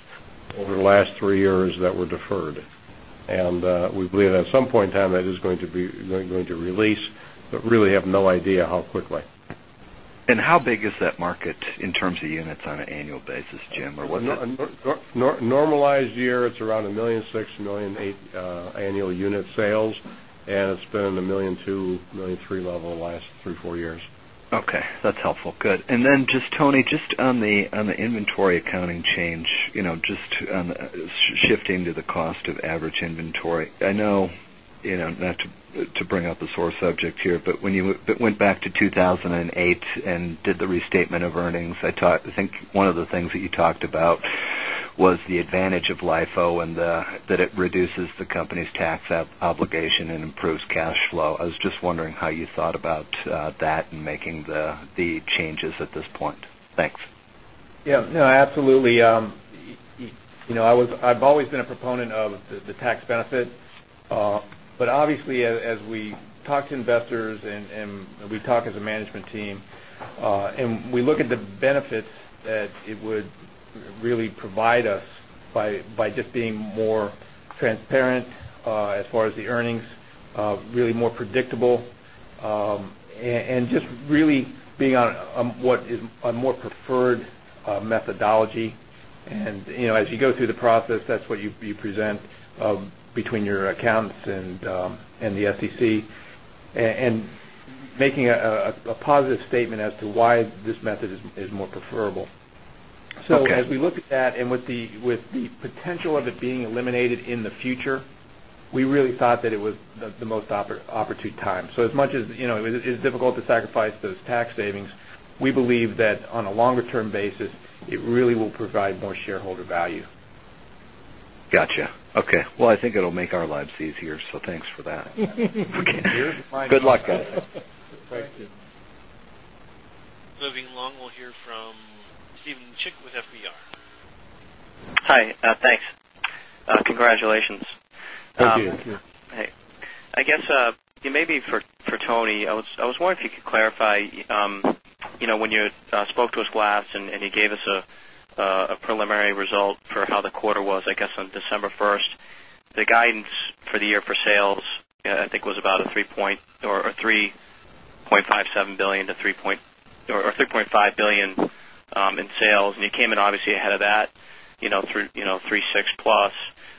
over the last 3 years that were deferred. And we believe that at some point in time that is going to be going to release, but really have no idea how quickly. And how big is that market in terms of units on an annual basis, Jim? Or what's that? Normalized year, it's around $1,600,000,000 annual unit sales and it's been in the 1,200,000,000, 1,300,000 level in the last 3, 4 years. Okay, that's helpful. Good. And then just Tony, just on the inventory accounting change, just shifting to the to to bring up the sore subject here, but when you went back to 2,008 and did the restatement of earnings, I think one of the things that you talked about was the advantage of LIFO and that it reduces the company's tax obligation and Yes, absolutely. I was I've Yes. No, absolutely. I was I've always been a proponent of the tax benefit. But obviously, as we talk to investors and we talk as a management team, and we look at the benefits that it would really provide us by just being more transparent as far as the earnings, really more predictable and just really being on what is a more preferred methodology. And as you go through the process, that's what you present between your accounts and the SEC. And making a positive statement as to why this method is more preferable. So as we look at that and with the potential of it being eliminated in the future, we really thought that it was the most opportune time. So as much as it is difficult to sacrifice those tax savings, we believe that on a longer term basis, it really will provide more shareholder value. Moving along, we'll hear from Steven Chik with FBR. Hi, thanks. Congratulations. Thank you. I guess maybe for Tony, I was wondering if you could clarify when you spoke to us last and you gave us a preliminary result for how the quarter was I guess on December 1, the guidance for the year for sales I think was about a $3,570,000,000 to $3,500,000,000 in sales and you came in obviously ahead of that 3.6 plus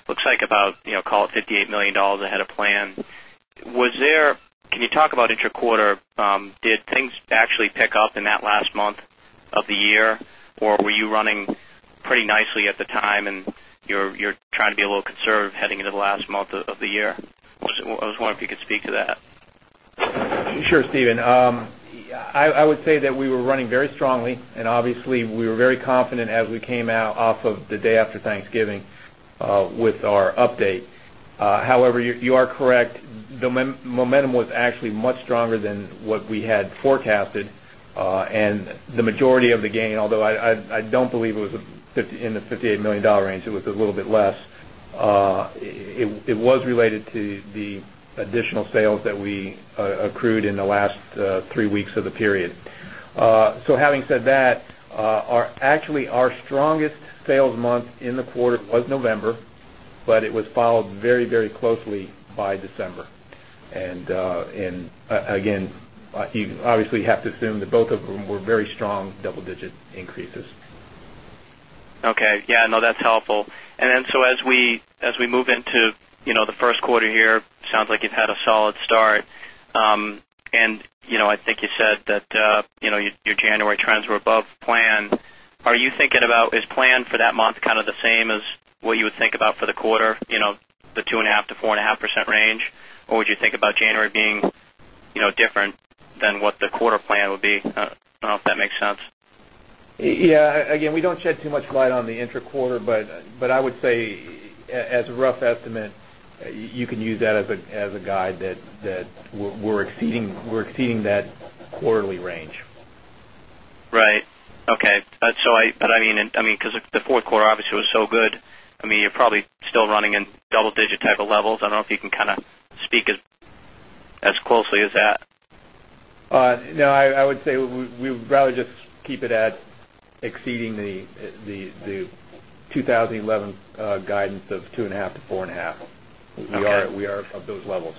looks like about call it $58,000,000 ahead of plan. Was there can you talk about intra quarter, did things actually pick up in that last month of the year or were you running pretty nicely at the time and you're trying to be a little conservative heading into the last month of the year? I was wondering if you I would say that we were running very strongly and obviously we were very I would say that we were running very strongly and obviously we were very confident as we came out off of the day after Thanksgiving with our update. However, you are correct. The momentum was actually much stronger than what we had forecasted. And the majority of the gain, although I don't believe it was in the $58,000,000 range, it was a little bit less. It was related to the additional sales that we accrued in the last 3 weeks of the period. So having said that, actually our strongest sales month in the quarter was November, but it was followed very, very closely by December. And again, you obviously have to assume that both of them were very strong double digit increases. Okay. Yes. No, that's helpful. And then so as we move into the Q1 here, sounds like you've had a solid start. And I think you said that your January trends were above plan. Are you thinking about is plan for that month kind of the same as what you would think about for the quarter, the 2.5% to 4.5% range? Or would you think about January being different than what the quarter plan would be? I don't know if that makes sense. Yes. Again, we don't shed too much light on the intra quarter, but I would say as a rough estimate, you can use that as a guide that we're exceeding that quarterly range. Right. Okay. So I but I mean, because the Q4 obviously was so good. I mean, you're probably still running in double digit type of levels. I don't know if you can kind of speak as closely as that? No, I would say we would rather just keep it at exceeding the 2011 guidance of 2.5% to 4.5%. We are of those levels.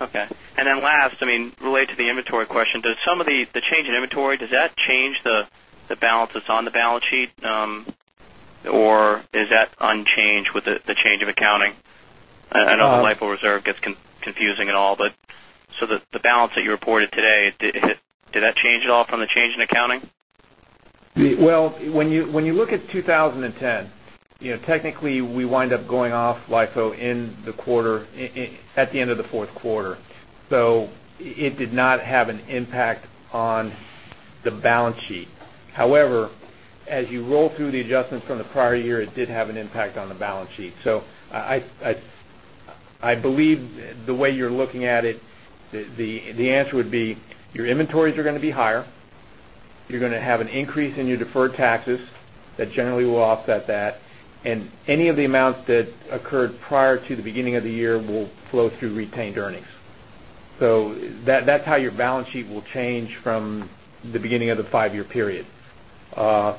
Okay. And then last, I mean, related to the inventory question, does some of the change in inventory, does that change the balance that's on the balance sheet? Or is that unchanged with the change of accounting? I know the LIFO reserve gets confusing at all, but so the balance that you reported today, did that change at all from the change in accounting? Well, when you look at 2010, technically we wind up going off LIFO in the quarter at the end of the Q4. So it did not have an impact on the balance sheet. However, as you roll through the adjustments from the prior year, it did have an impact on the balance sheet. So I believe the way you're looking at it, the answer would be your inventories are going to be higher. You're going to have an increase in your deferred taxes that generally will offset that. And any of the amounts that occurred prior to the beginning of the year will flow through retained earnings. So that's how your balance sheet will change from the beginning of the 5 year period. So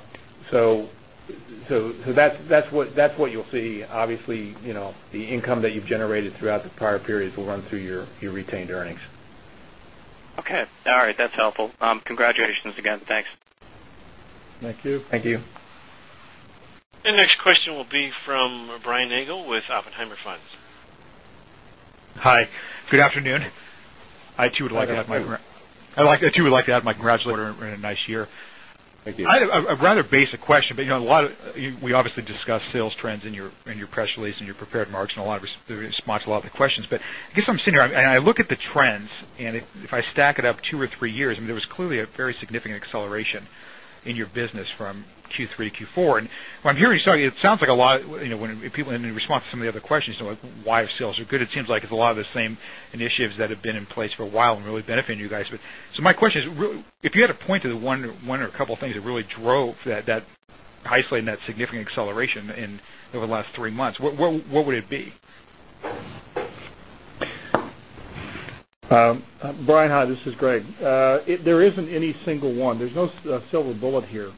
that's what you'll see. Obviously, the income that you've generated throughout the prior periods will run through your retained earnings. Okay. All right. That's helpful. Congratulations again. Thanks. Thank you. Thank you. Your next question will be from Brian Nagel with Oppenheimer Funds. Hi, good afternoon. I too would like to add my congratulations on a nice year. I have a rather basic question, but a lot of we obviously discussed sales trends in your press release and your prepared remarks and a lot of response to a lot of the questions. But I guess I'm seeing here, and I look at the trends and if I stack it up 2 or 3 years, I mean, there was clearly a very significant acceleration in your business from Q3, Q4. And what I'm hearing you say, it sounds like a lot when people in response to some of the other questions, why sales are good, it seems like it's a lot of the same initiatives that have been in place for a while and really benefiting you guys. So my question is, if you had a point to the one or a couple of things that really drove that isolate and that significant acceleration in over the last 3 months, what would it be? Brian, hi, this is Greg. There isn't any single one. There's no silver bullet here.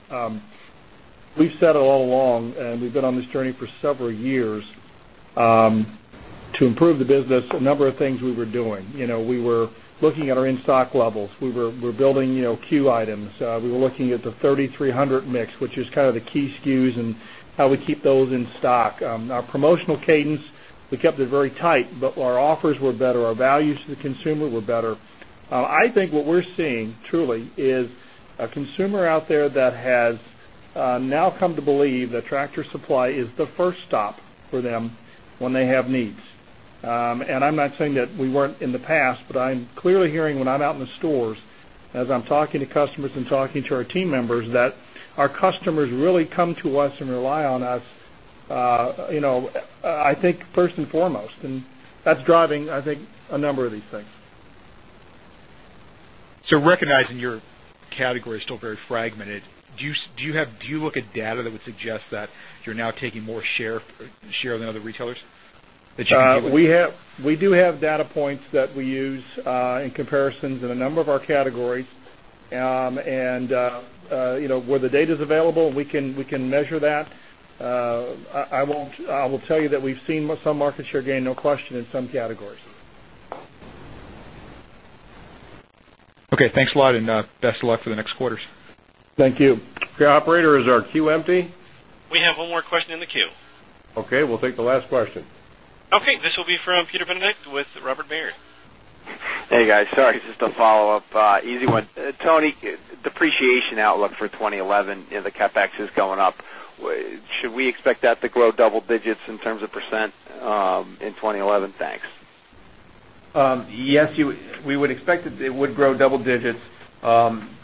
We've said it all along and we've been on this journey for several years to improve the business a number of things we were doing. We were looking at our in stock levels. We were building queue items. We were looking at the 3,300 mix, which is kind of the key SKUs and how we keep those in stock. Our promotional cadence, we kept it very tight, but our offers were better. Our values to the consumer were better. I think what we're seeing truly is a consumer out there that has now come to believe that tractor supply is the first stop for them when they have needs. And I'm not saying that we weren't in the past, but I'm clearly hearing when I'm out in the stores, as I'm talking to customers and talking to our team members that our customers really come to us and rely on us, I think, 1st and foremost. And that's driving, I think, a number of these things. So recognizing your category is still very fragmented, do you have do you look at data that would suggest that you're now taking more share than other retailers? We do have data points that we use in comparisons in a number of our categories. And where the data is available, we can measure that. I won't I will tell you that we've seen some market share gain, no question in some categories. Okay. Thanks a lot and best of luck for the next quarters. Thank you. Okay. Operator, is our queue empty? We have one more question in the queue. Okay. We'll take the last question. Okay. This will be from Peter Benedict with Robert Baird. Hey, guys. Sorry, just a follow-up, easy one. Tony, depreciation outlook for 2011 and the CapEx is going up. Should we expect that to grow double digits in terms of percent in 2011? Thanks. Yes, we would expect that it would grow double digits.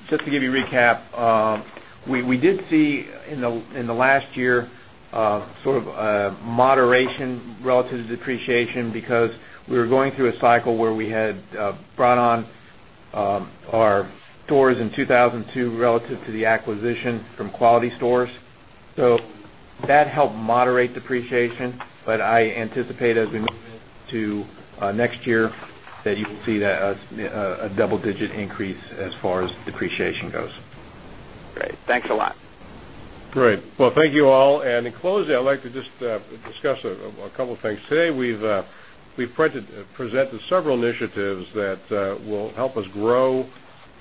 Just to give you a recap, we did see in the last year sort of a moderation relative to depreciation because we were going through a cycle where we had brought on our stores in 2002 relative to the acquisition from quality stores. So that helped moderate depreciation, but I anticipate as we move into next year that you will see a double digit increase as far as depreciation goes. Great. Thanks a lot. Great. Well, thank you all. And in closing, I'd like to just discuss a a couple of things. Today, we've presented several initiatives that will help us grow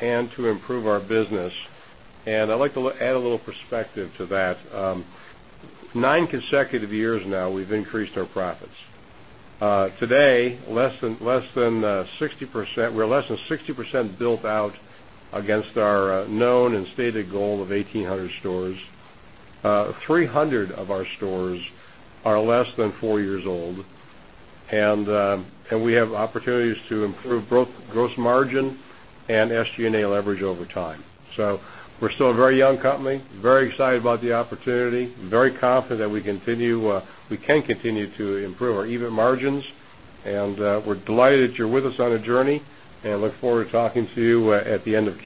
and to improve our business. And I'd like to add a little perspective to that. 9 consecutive years now, we've increased our profits. Today, we're less than 60% built out against our known and stated goal of 1800 stores. 300 of our stores are less than 4 years old. And we have opportunities to improve both gross margin and SG and A leverage over time. So, we're still a very young company, very excited about the opportunity, very confident that we continue we can continue to improve our EBIT margins. And we're delighted that you're with us on a journey and look forward to talking to you at the end of